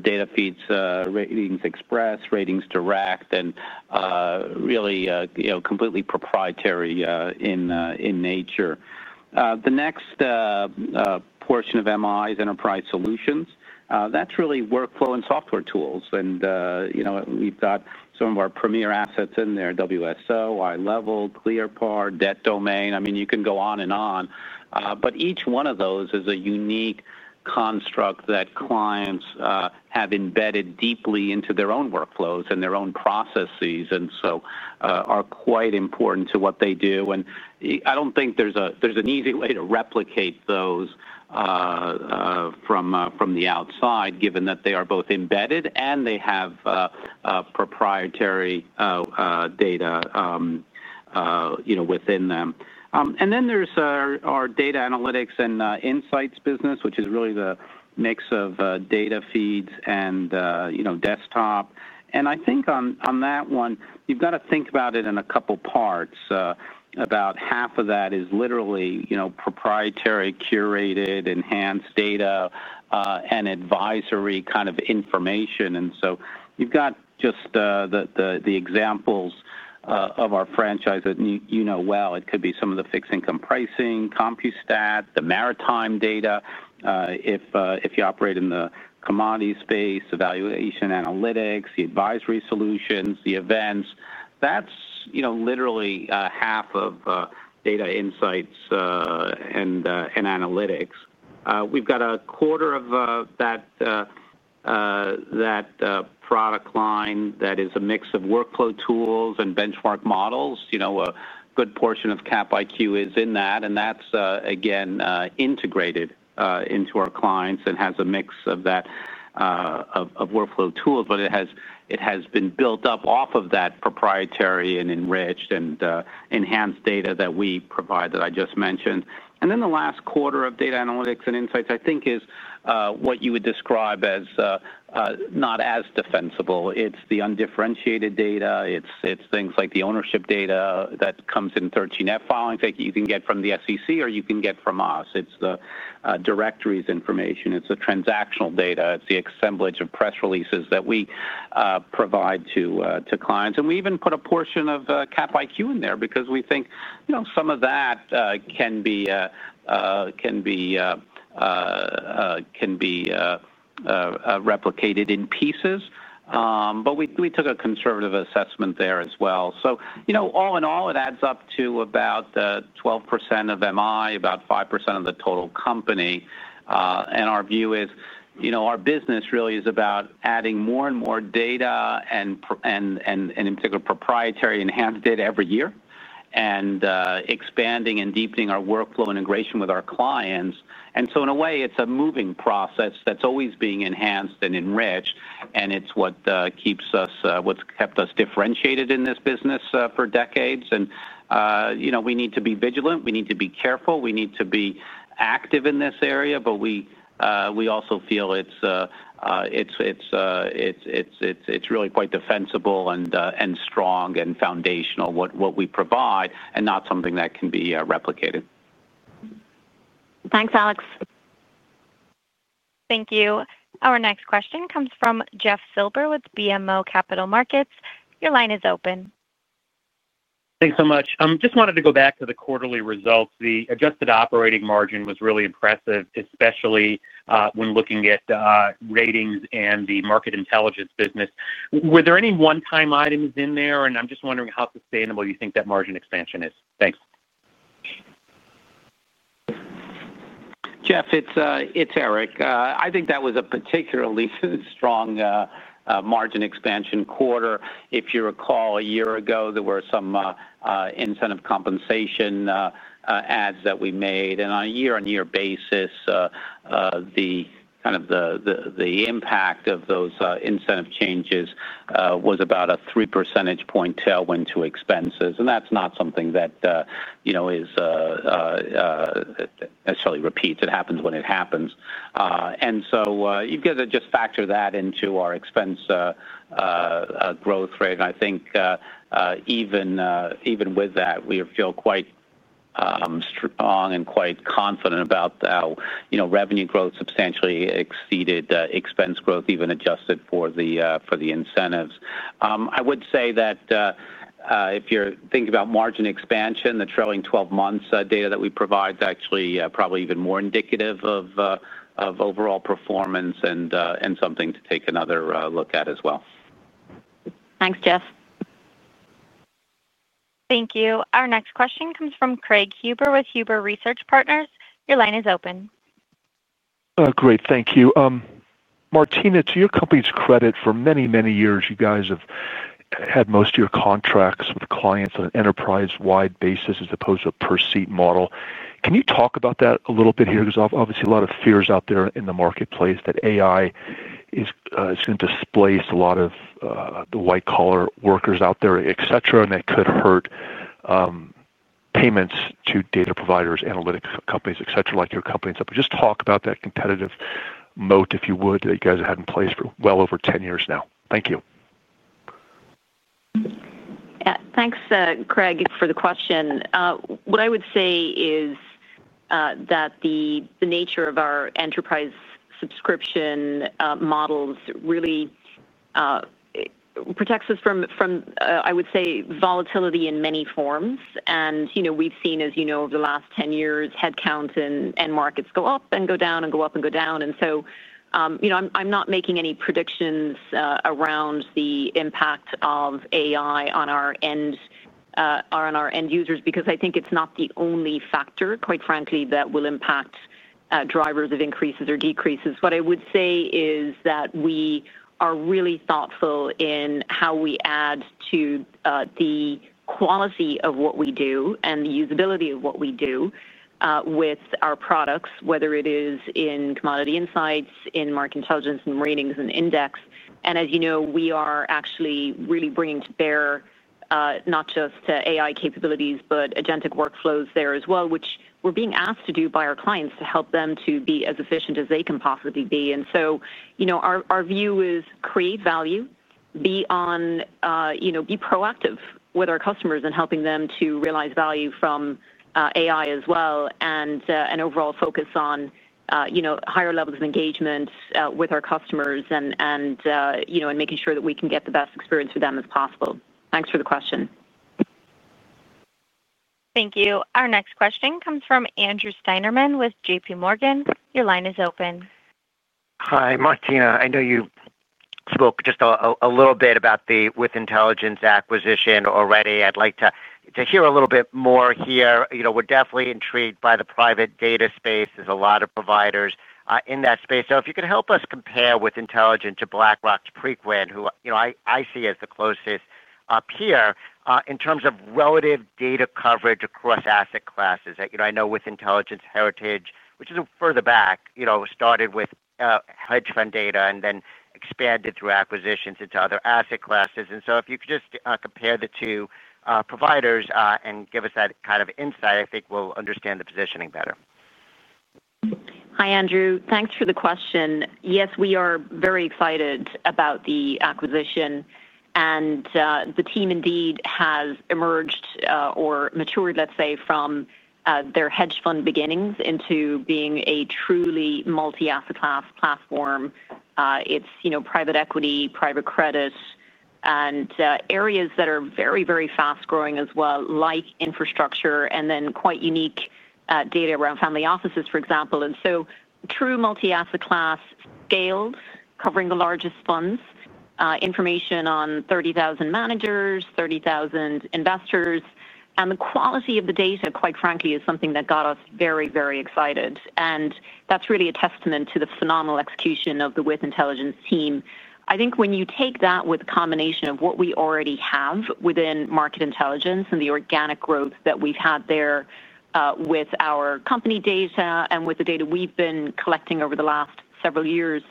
data feeds, Ratings Express, Ratings Direct, and really completely proprietary in nature. The next portion of MI is Enterprise Solutions. That's really workflow and software tools. We've got some of our premier assets in there, WSO, iLEVEL, ClearPar, Debt Domain. You can go on and on, but each one of those is a unique construct that clients have embedded deeply into their own workflows and their own processes and are quite important to what they do. I don't think there's an easy way to replicate those from the outside, given that they are both embedded and they have proprietary data within them. Then there's our data analytics and insights business, which is really the mix of data feeds and desktop. I think on that one, you've got to think about it in a couple parts. About half of that is literally proprietary, curated, enhanced data and advisory kind of information. You've got just the examples of our franchise that you know well. It could be some of the fixed income pricing, compositing, the maritime data if you operate in the commodities space, evaluation analytics, the advisory solutions, the events. That's literally half of data, insights, and analytics. We've got a quarter of that product line that is a mix of workflow tools and benchmark models. A good portion of Capital IQ is in that and that's again integrated into our clients and has a mix of workflow tools. It has been built up off of that proprietary and enriched and enhanced data that we provide that I just mentioned. The last quarter of data analytics and insights I think is what you would describe as not as defensible. It's the undifferentiated data, it's things like the ownership data that comes in 13F filings that you can get from the SEC or you can get from us. It's the directories information, it's the transactional data, it's the assemblage of press releases that we provide to clients. We even put a portion of Cap IQ in there because we think some of that can be captured, can be replicated in pieces. We took a conservative assessment there as well. All in all, it adds up to about 12% of MI, about 5% of the total company. Our view is our business really is about adding more and more data and in particular proprietary enhanced data every year and expanding and deepening our workflow integration with our clients. In a way, it's a moving process that's always being enhanced and enriched and it's what keeps us, what's kept us differentiated in this business for decades. We need to be vigilant, we need to be careful, we need to be active in this area. We also feel it's really quite defensible and strong and foundational what we provide and not something that can be replicated. Thanks Alex. Thank you. Our next question comes from Jeff Silber with BMO Capital Markets. Your line is open. Thanks so much. Just wanted to go back to the quarterly results. The adjusted operating margin was really impressive, especially when looking at Ratings and the Market Intelligence business. Were there any one-time items in there? I'm just wondering how sustainable you think that margin expansion is. Thanks. Jeff, it's Eric. I think that was a particularly strong margin expansion quarter. If you recall, a year ago there were some incentive compensation adds that we made, and on a year-on-year basis, the impact of those incentive changes was about a 3% tailwind to expenses. That's not something that repeats. It happens when it happens, and you've got to just factor that into our expense growth rate. I think even with that, we feel quite strong and quite confident about revenue growth substantially exceeding expense growth, even adjusted for the incentives. I would say that if you're thinking about margin expansion, the trailing 12 months data that we provide is actually probably even more indicative of overall performance and something to take another look at as well. Thanks Jeff. Thank you. Our next question comes from Craig Huber with Huber Research Partners. Your line is open. Great, thank you. Martina. To your company's credit, for many, many years you guys have had most of your contracts with clients on an enterprise-wide basis as opposed to a per seat model. Can you talk about that a little bit here? Because obviously a lot of fears out there in the marketplace that AI is going to displace a lot of the white collar workers out there, et cetera. That could hurt payments to data providers, analytics companies, etc. like your company. Just talk about that competitive moat if you would, that you guys have had in place for well over 10 years now. Thank you. Thanks, Craig, for the question. What I would say is that the nature of our enterprise subscription models really protects us from volatility in many forms. You know, we've seen, as you know, over the last 10 years, headcount and markets go up and go down and go up and go down. I'm not making any predictions around the impact of AI on our end users because I think it's not the only factor, quite frankly, that will impact drivers of increases or decreases. What I would say is that we are really thoughtful in how we add to the quality of what we do and the usability of what we do with our products, whether it is in Commodity Insights, in Market Intelligence, in Ratings, and in Indices. As you know, we are actually really bringing to bear not just AI capabilities but agentic workflows there as well, which we're being asked to do by our clients to help them to be as efficient as they can possibly be. Our view is create value, be proactive with our customers in helping them to realize value from AI as well, and an overall focus on higher levels of engagement with our customers and making sure that we can get the best experience for them as possible. Thanks for the question. Thank you. Our next question comes from Andrew Steinerman with JPMorgan. Your line is open. Hi, Martina. I know you spoke just a little bit about the With Intelligence acquisition already. I'd like to hear a little bit more here. You know, we're definitely intrigued by the private markets data space. There's a lot of providers in that space. If you could help us compare With Intelligence to BlackRock Preqin, who, you know, I see as the closest up here in terms of relative data coverage across asset classes. I know With Intelligence heritage, which is further back, started with hedge fund data and then expanded through acquisitions into other asset classes. If you could just compare the two providers and give us that kind of insight, I think we'll understand the positioning better. Hi Andrew, thanks for the question. Yes, we are very excited about the acquisition and the team indeed has emerged or matured, let's say, from their hedge fund beginnings into being a truly multi-asset class platform. It's private equity, private credit, and areas that are very, very fast growing as well, like infrastructure, and then quite unique data around family offices, for example. True multi-asset class scaled, covering the largest funds, information on 30,000 managers, 30,000 investors. The quality of the data, quite frankly, is something that got us very, very excited. That's really a testament to the phenomenal execution of the With Intelligence team. I think when you take that with a combination of what we already have within Market Intelligence and the organic growth that we've had there with our company data and with the data we've been collecting over the last several years,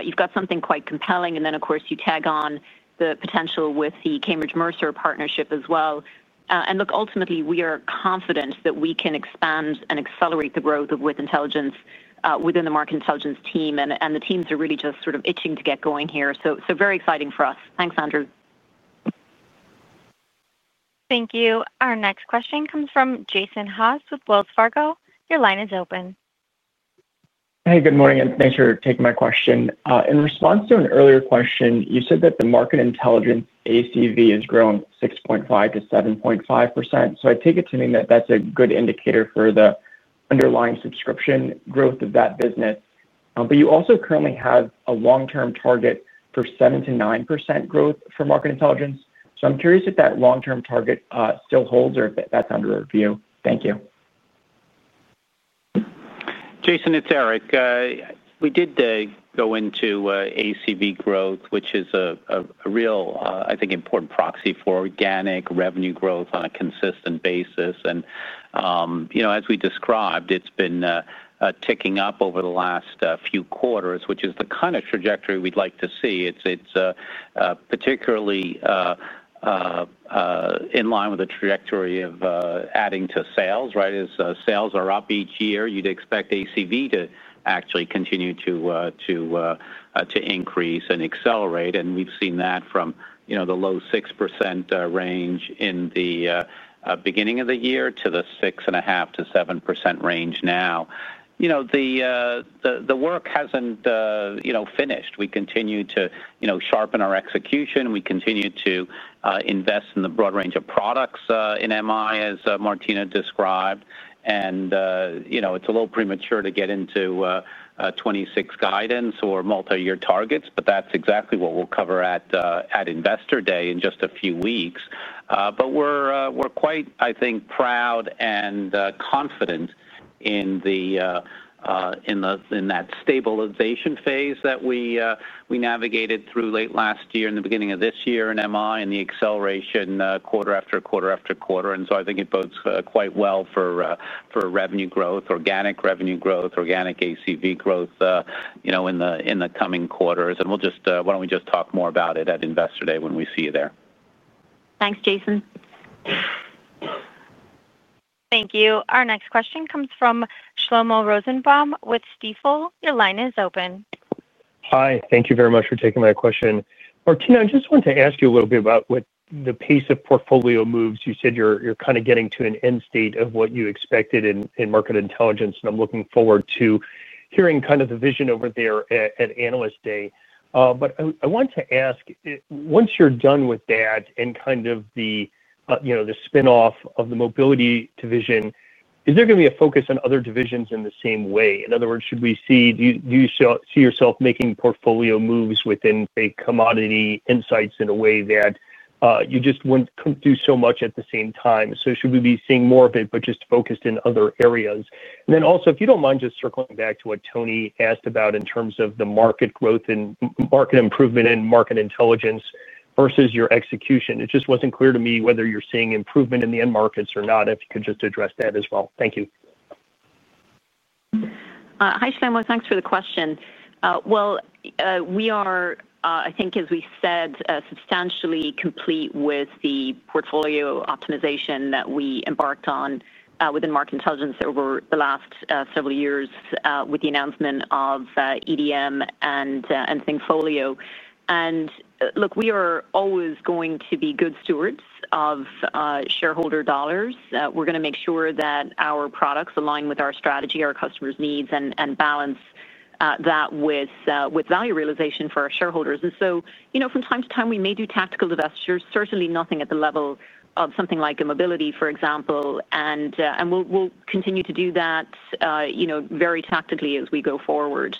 you've got something quite compelling. Of course, you tag on the potential with the Cambridge Mercer Partnership as well. Ultimately, we are confident that we can expand and accelerate the growth of With Intelligence within the Market Intelligence team. The teams are really just sort of itching to get going here, so very exciting for us. Thanks, Andrew. Thank you. Our next question comes from Jason Haas with Wells Fargo. Your line is open. Hey, good morning and thanks for taking my question. In response to an earlier question, you said that the Market Intelligence ACV has grown 6.5%-7.5%. I take it to mean that that's a good indicator for the underlying subscription growth of that business. You also currently have a long-term target for 7%-9% growth for Market Intelligence. I'm curious if that long-term target still holds or if that's under review. Thank you. Jason, it's Eric. We did go into ACV growth, which is a real, I think, important proxy for organic revenue growth on a consistent basis. As we described, it's been ticking up over the last few. Quarters, which is the kind of trajectory. We'd like to see. It's particularly in line with the trajectory of adding to sales. Right. As sales are up each year, you'd expect ACV to actually continue to increase and accelerate. We've seen that from the low 6% range in the beginning of the year to the 6.5%-7% range now. The work hasn't finished. We continue to sharpen our execution. We continue to invest in the broad range of products in MI as Martina described. It's a little premature to get into 2026 guidance or multi-year targets, but that's exactly what we'll cover at Investor Day in just a few weeks. We're quite, I think, proud and confident in that stabilization phase that we navigated through late last year and the beginning of this year in MI and the acceleration quarter after quarter after quarter. I think it bodes quite well for revenue growth, organic revenue growth, organic ACV growth in the coming quarters. Why don't we just talk more about it at Investor Day when we see you there. Thanks, Jason. Thank you. Our next question comes from Shlomo Rosenbaum with Stifel. Your line is open. Hi. Thank you very much for taking my question. Martina, I just want to ask you a little bit about the pace of portfolio moves. You said you're kind of getting to an end state of what you expected in Market Intelligence. I'm looking forward to hearing the vision over there at Analyst Day. I want to ask, once you're done with that and the spinoff of the Mobility division, is there going to be a focus on other divisions in the same way? In other words, do you see yourself making portfolio moves within Commodity Insights in a way that you just wouldn't do so much at the same time? Should we be seeing more of it but just focused in other areas? Also, if you don't mind just circling back to what Tony asked about in terms of the market growth and market improvement and Market Intelligence versus your execution, it just wasn't clear to me whether you're seeing improvement in the end markets or not. If you could just address that as well. Thank you. Hi Shlomo, thanks for the question. We are, I think, as we said, substantially complete with the portfolio optimization that we embarked on within Market Intelligence over the last several years with the announcement of EDM and ThinkFolio. Look, we are always going to be good stewards of shareholder dollars. We're going to make sure that our products align with our strategy, our customers' needs, and balance that with value. Realization for our shareholders. From time to time we may do tactical divestitures, certainly nothing at the level of something like Mobility, for example, and we'll continue to do that very tactically as we go forward.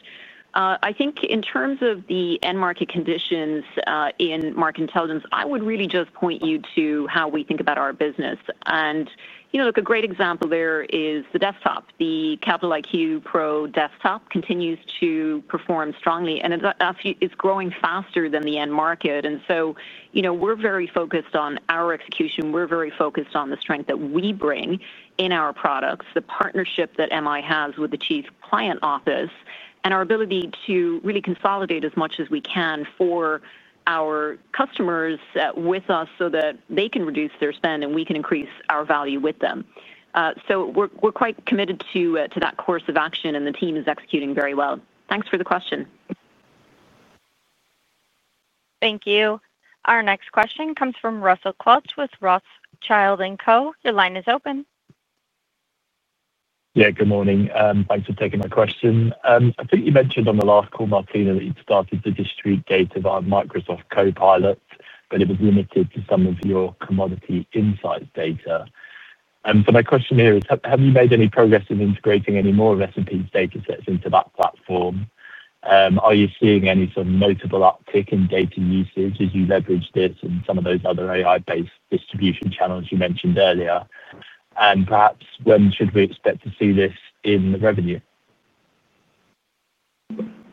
I think in terms of the end market conditions in Market Intelligence, I would really just point you to how we think about our business. A great example there is the desktop. The Capital IQ Pro desktop continues to perform strongly and it's growing faster than the end market. We're very focused on our execution. We're very focused on the strength that we bring in our products, the partnership that Market Intelligence has with the Chief Client Office, and our ability to really consolidate as much as we can for our customers with us so that they can reduce their spend and we can increase our value with them. We're quite committed to that course of action and the team is executing very well. Thanks for the question. Thank you. Our next question comes from Russell Quelch with Rothschild & Co. Your line is open. Yeah, good morning. Thanks for taking my question. I think you mentioned on the last call, Martina, that you'd started to distribute data via Microsoft Copilot, but it was limited to some of your Commodity Insights data. My question here is have you made any progress in integrating any more recipes data sets into that platform? Are you seeing any sort of notable uptick in data usage as you leverage this and some of those other AI-based distribution channels you mentioned earlier? Perhaps when should we expect to see this in revenue?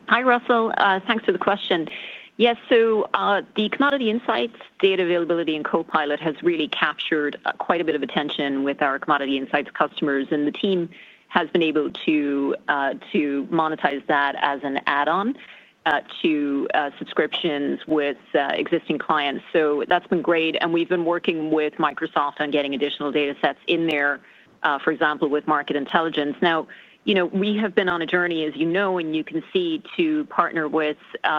Hi Russell, thanks for the question. Yes, the Commodity Insights data availability and copilot has really captured quite a bit of attention with our Commodity Insights customers, and the team has been able to monetize that as an add-on to subscriptions with existing clients. That's been great. We've been working with Microsoft on getting additional data sets in there, for example, with Market Intelligence. We have been on a journey, as you know, and you can see, to partner with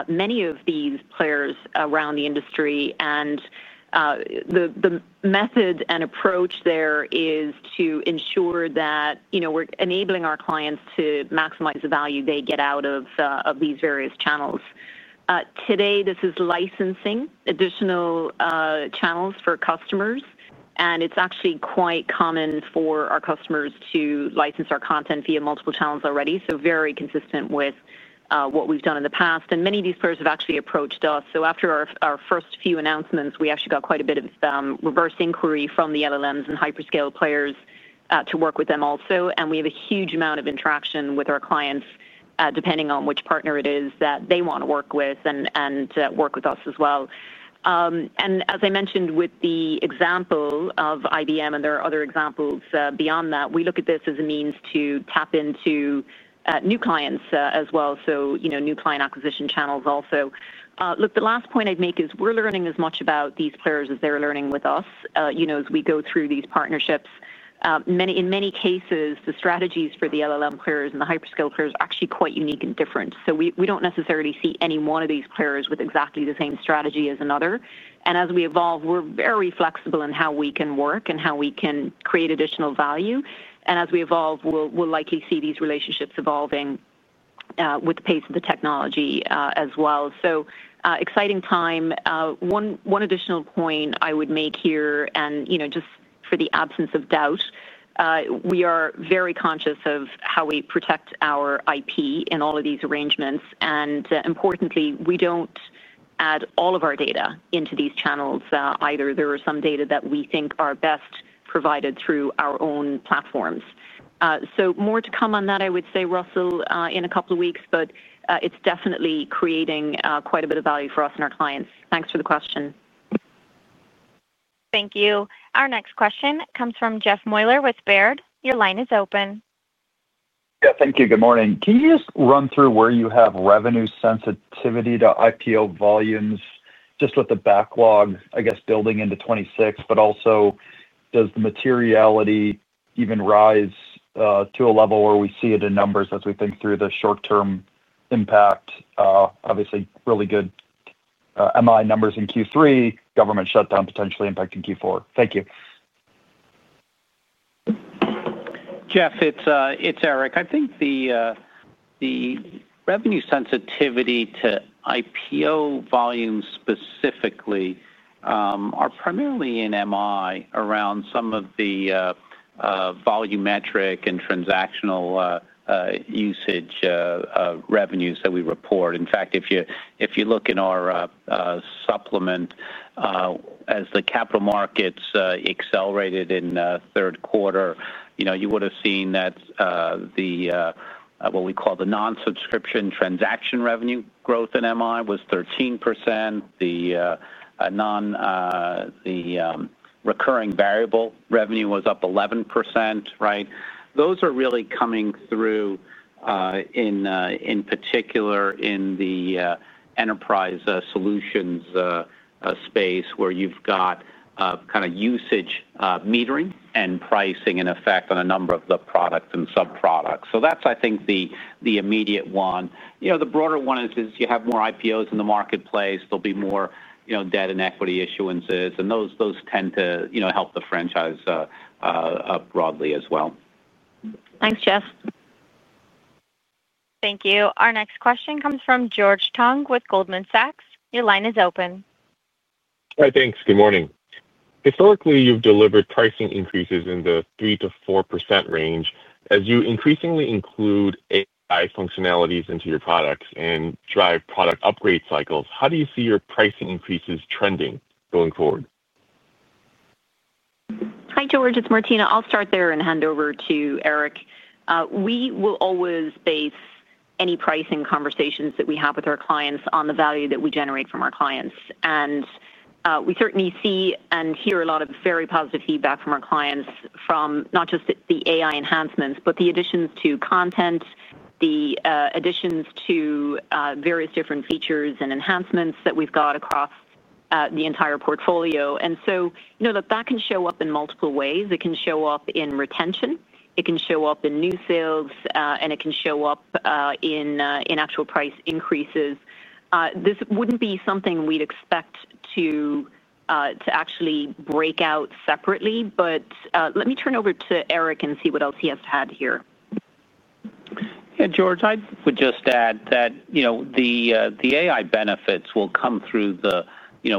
many of these players around the industry. The method and approach there is to ensure that we're enabling our clients to maximize the value they get out of these various channels. Today, this is licensing additional channels for customers, and it's actually quite common for our customers to license our content via multiple channels already. This is very consistent with what we've done in the past. Many of these players have actually approached us. After our first few announcements, we actually got quite a bit of reverse inquiry from the LLMs and hyperscale players to work with them also. We have a huge amount of interaction with our clients depending on which partner it is that they want to work with and to work with us as well. As I mentioned with the example of IBM, and there are other examples beyond that, we look at this as a means to tap into new clients as well, so new client acquisition channels also. The last point I'd make is we're learning as much about these players as they're learning with us. As we go through these partnerships, in many cases, the strategies for the LLM players and the hyperscale players are actually quite unique and different. We don't necessarily see any one of these players with exactly the same strategy as another. As we evolve, we're very flexible in how we can work and how we can create additional value. As we evolve, we'll likely see these relationships evolving with the pace of the technology as well. Exciting time. One additional point I would make here, and just for the absence of doubt, we are very conscious of how we protect our IP in all of these arrangements. Importantly, we don't add all of our data into these channels either. There are some data that we think are best provided through our own platforms. More to come on that, I would say, Russell, in a couple of weeks, but it's definitely creating quite a bit of value for us and our clients. Thanks for the question. Thank you. Our next question comes from Jeff Meuler with Baird. Your line is open. Thank you. Good morning. Can you just run through where you have revenue sensitivity to IPO volumes? Just with the backlog, I guess, building into 2026. Also, does the materiality even rise to a level where we see it in numbers as we think through the short term impact? Obviously, really good Market Intelligence numbers in Q3, government shutdown potentially impacting Q4. Thank you. Jeff, it's Eric. I think the revenue sensitivity to IPO volumes specifically are primarily in MI around some of the volumetric and transactional usage revenues that we report. In fact, if you look in our supplement, as the capital markets accelerated in third quarter, you would have seen that what we call the non-subscription transaction revenue growth in MI was 13%. The recurring variable revenue was up 11%. Right. Those are really coming through, in particular in the enterprise solutions space where you've got usage metering and pricing in effect on a number of the products and sub products. I think the immediate one, the broader one is you have more IPOs in the marketplace, there'll be more debt and equity issuances, and those tend to help the franchise broadly as well. Thanks, Jeff. Thank you. Our next question comes from George Tong with Goldman Sachs. Your line is open. Thanks. Good morning. Historically, you've delivered pricing increases in the. 3-4% range as you increasingly include AI functionalities into your products and drive product upgrade cycles. How do you see your pricing increases trending going forward? Hi, George, it's Martina. I'll start there and hand over to Eric. We will always base any pricing conversations that we have with our clients on the value that we generate from our clients. We certainly see and hear a lot of very positive feedback from our clients from not just the AI enhancements, but the additions to content, the additions to various different features and enhancements that we've got across the entire portfolio. That can show up in multiple ways. It can show up in retention, it can show up in new sales, and it can show up in actual price increases. This wouldn't be something we'd expect to actually break out separately. Let me turn over to Eric and see what else he has to add here. George, I would just add that the benefits will come through the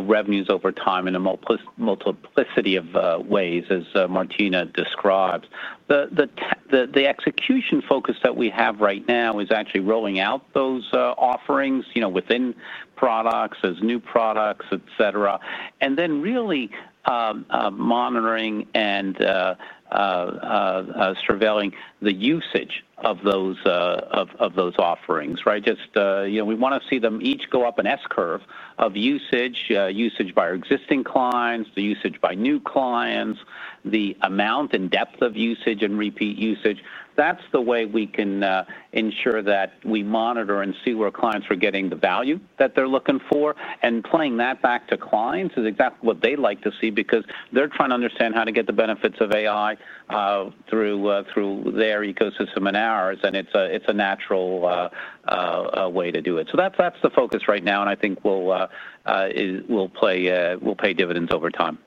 revenues over time in a multiplicity of ways. As Martina describes, the execution focus that we have right now is actually rolling out those offerings within products, as new products, etc., and then really monitoring and surveilling the usage of those offerings. Right. We want to see them each go up an S curve of usage, usage by our existing clients, the usage by new clients, the amount and depth of usage and repeat usage. That's the way we can ensure that we monitor and see where clients are getting the value that they're looking for. Playing that back to clients is exactly what they like to see because they're trying to understand how to get the benefits of AI through their ecosystem and ours. It's a natural way to do it. That's the focus right now, and I think will pay dividends over time.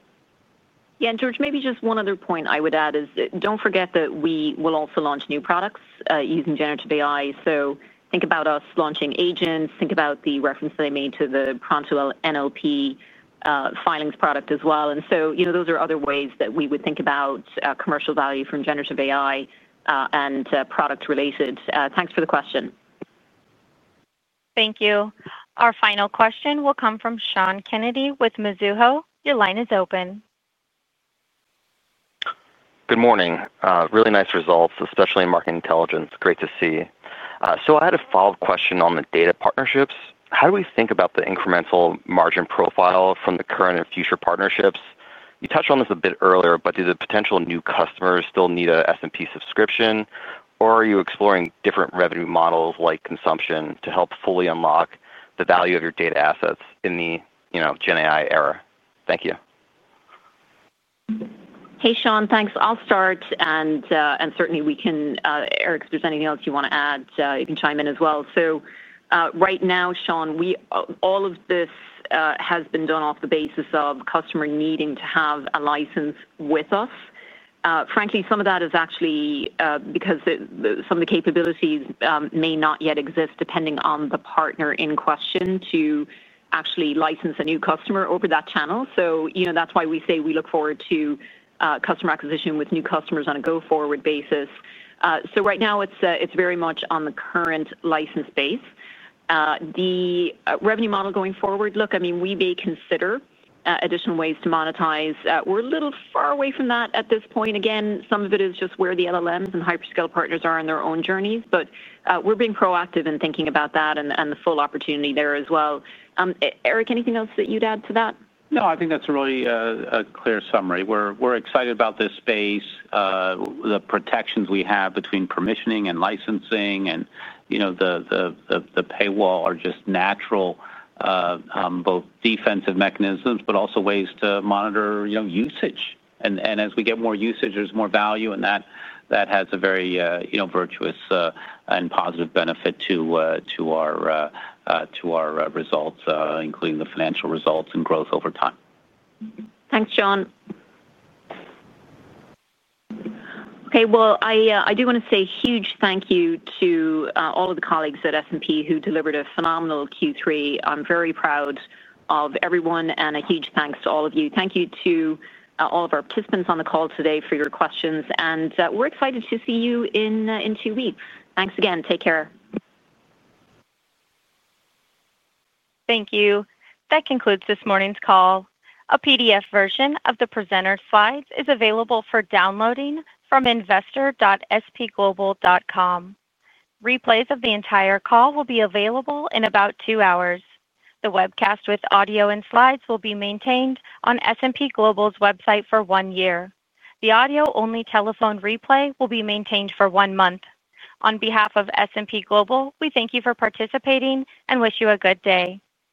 Yeah, George, maybe just one other point I would add is don't forget that we will also launch new products using generative AI. Think about us launching agents. Think about the reference they made to the pronto NLP filings product as well. Those are other ways that we would think about commercial value from generative AI and product related. Thanks for the question. Thank you. Our final question will come from Sean Kennedy with Mizuho. Your line is open. Good morning. Really nice results, especially Market Intelligence. Great to see. I had a follow-up question on the data partnerships. How do we think about the incremental margin profile from the current and future partnerships? You touched on this a bit earlier, but do the potential new customers still need an S&P subscription, or are you exploring different revenue models like consumption to help fully unlock the value of your data assets in the GenAI era? Thank you. Hey Sean, thanks. I'll start and certainly we can. Eric, if there's anything else you want to add to, you can chime in as well. Right now, Sean, all of this has been done off the basis of customer needing to have a license with us. Frankly, some of that is actually because some of the capabilities may not yet exist depending on the partner in question to actually license a new customer over that channel. That's why we say we look forward to customer acquisition with new customers on a go forward basis. Right now it's very much on the current license base, the revenue model going forward. Look, I mean we may consider additional ways to monetize. We're a little far away from that at this point. Some of it is just where the lens and hyperscale partners are on their own journeys. We're being proactive in thinking about that and the full opportunity there as well. Eric, anything else that you'd add to that? No, I think that's a really clear summary. We're excited about this space. The protections we have between permissioning and licensing, and the paywall, are just natural, both defensive mechanisms but also ways to monitor usage. As we get more usage, there's more value, and that has a very virtuous and positive benefit to our results, including the financial results and growth over time. Thanks, John. I do want to say a huge thank you to all of the colleagues at S&P, who delivered a phenomenal Q3. I'm very proud of everyone and a huge thanks to all of you. Thank you to all of our participants on the call today for your questions, and we're excited to see you in two weeks. Thanks again. Take care. Thank you. That concludes this morning's call. A PDF version of the presenter slides is available for downloading from investor.spglobal.com. Replays of the entire call will be available in about two hours. The webcast with audio and slides will be maintained on S&P Global's website for one year. The audio-only telephone replay will be maintained for one month. On behalf of S&P Global, we thank you for participating and wish you a good day.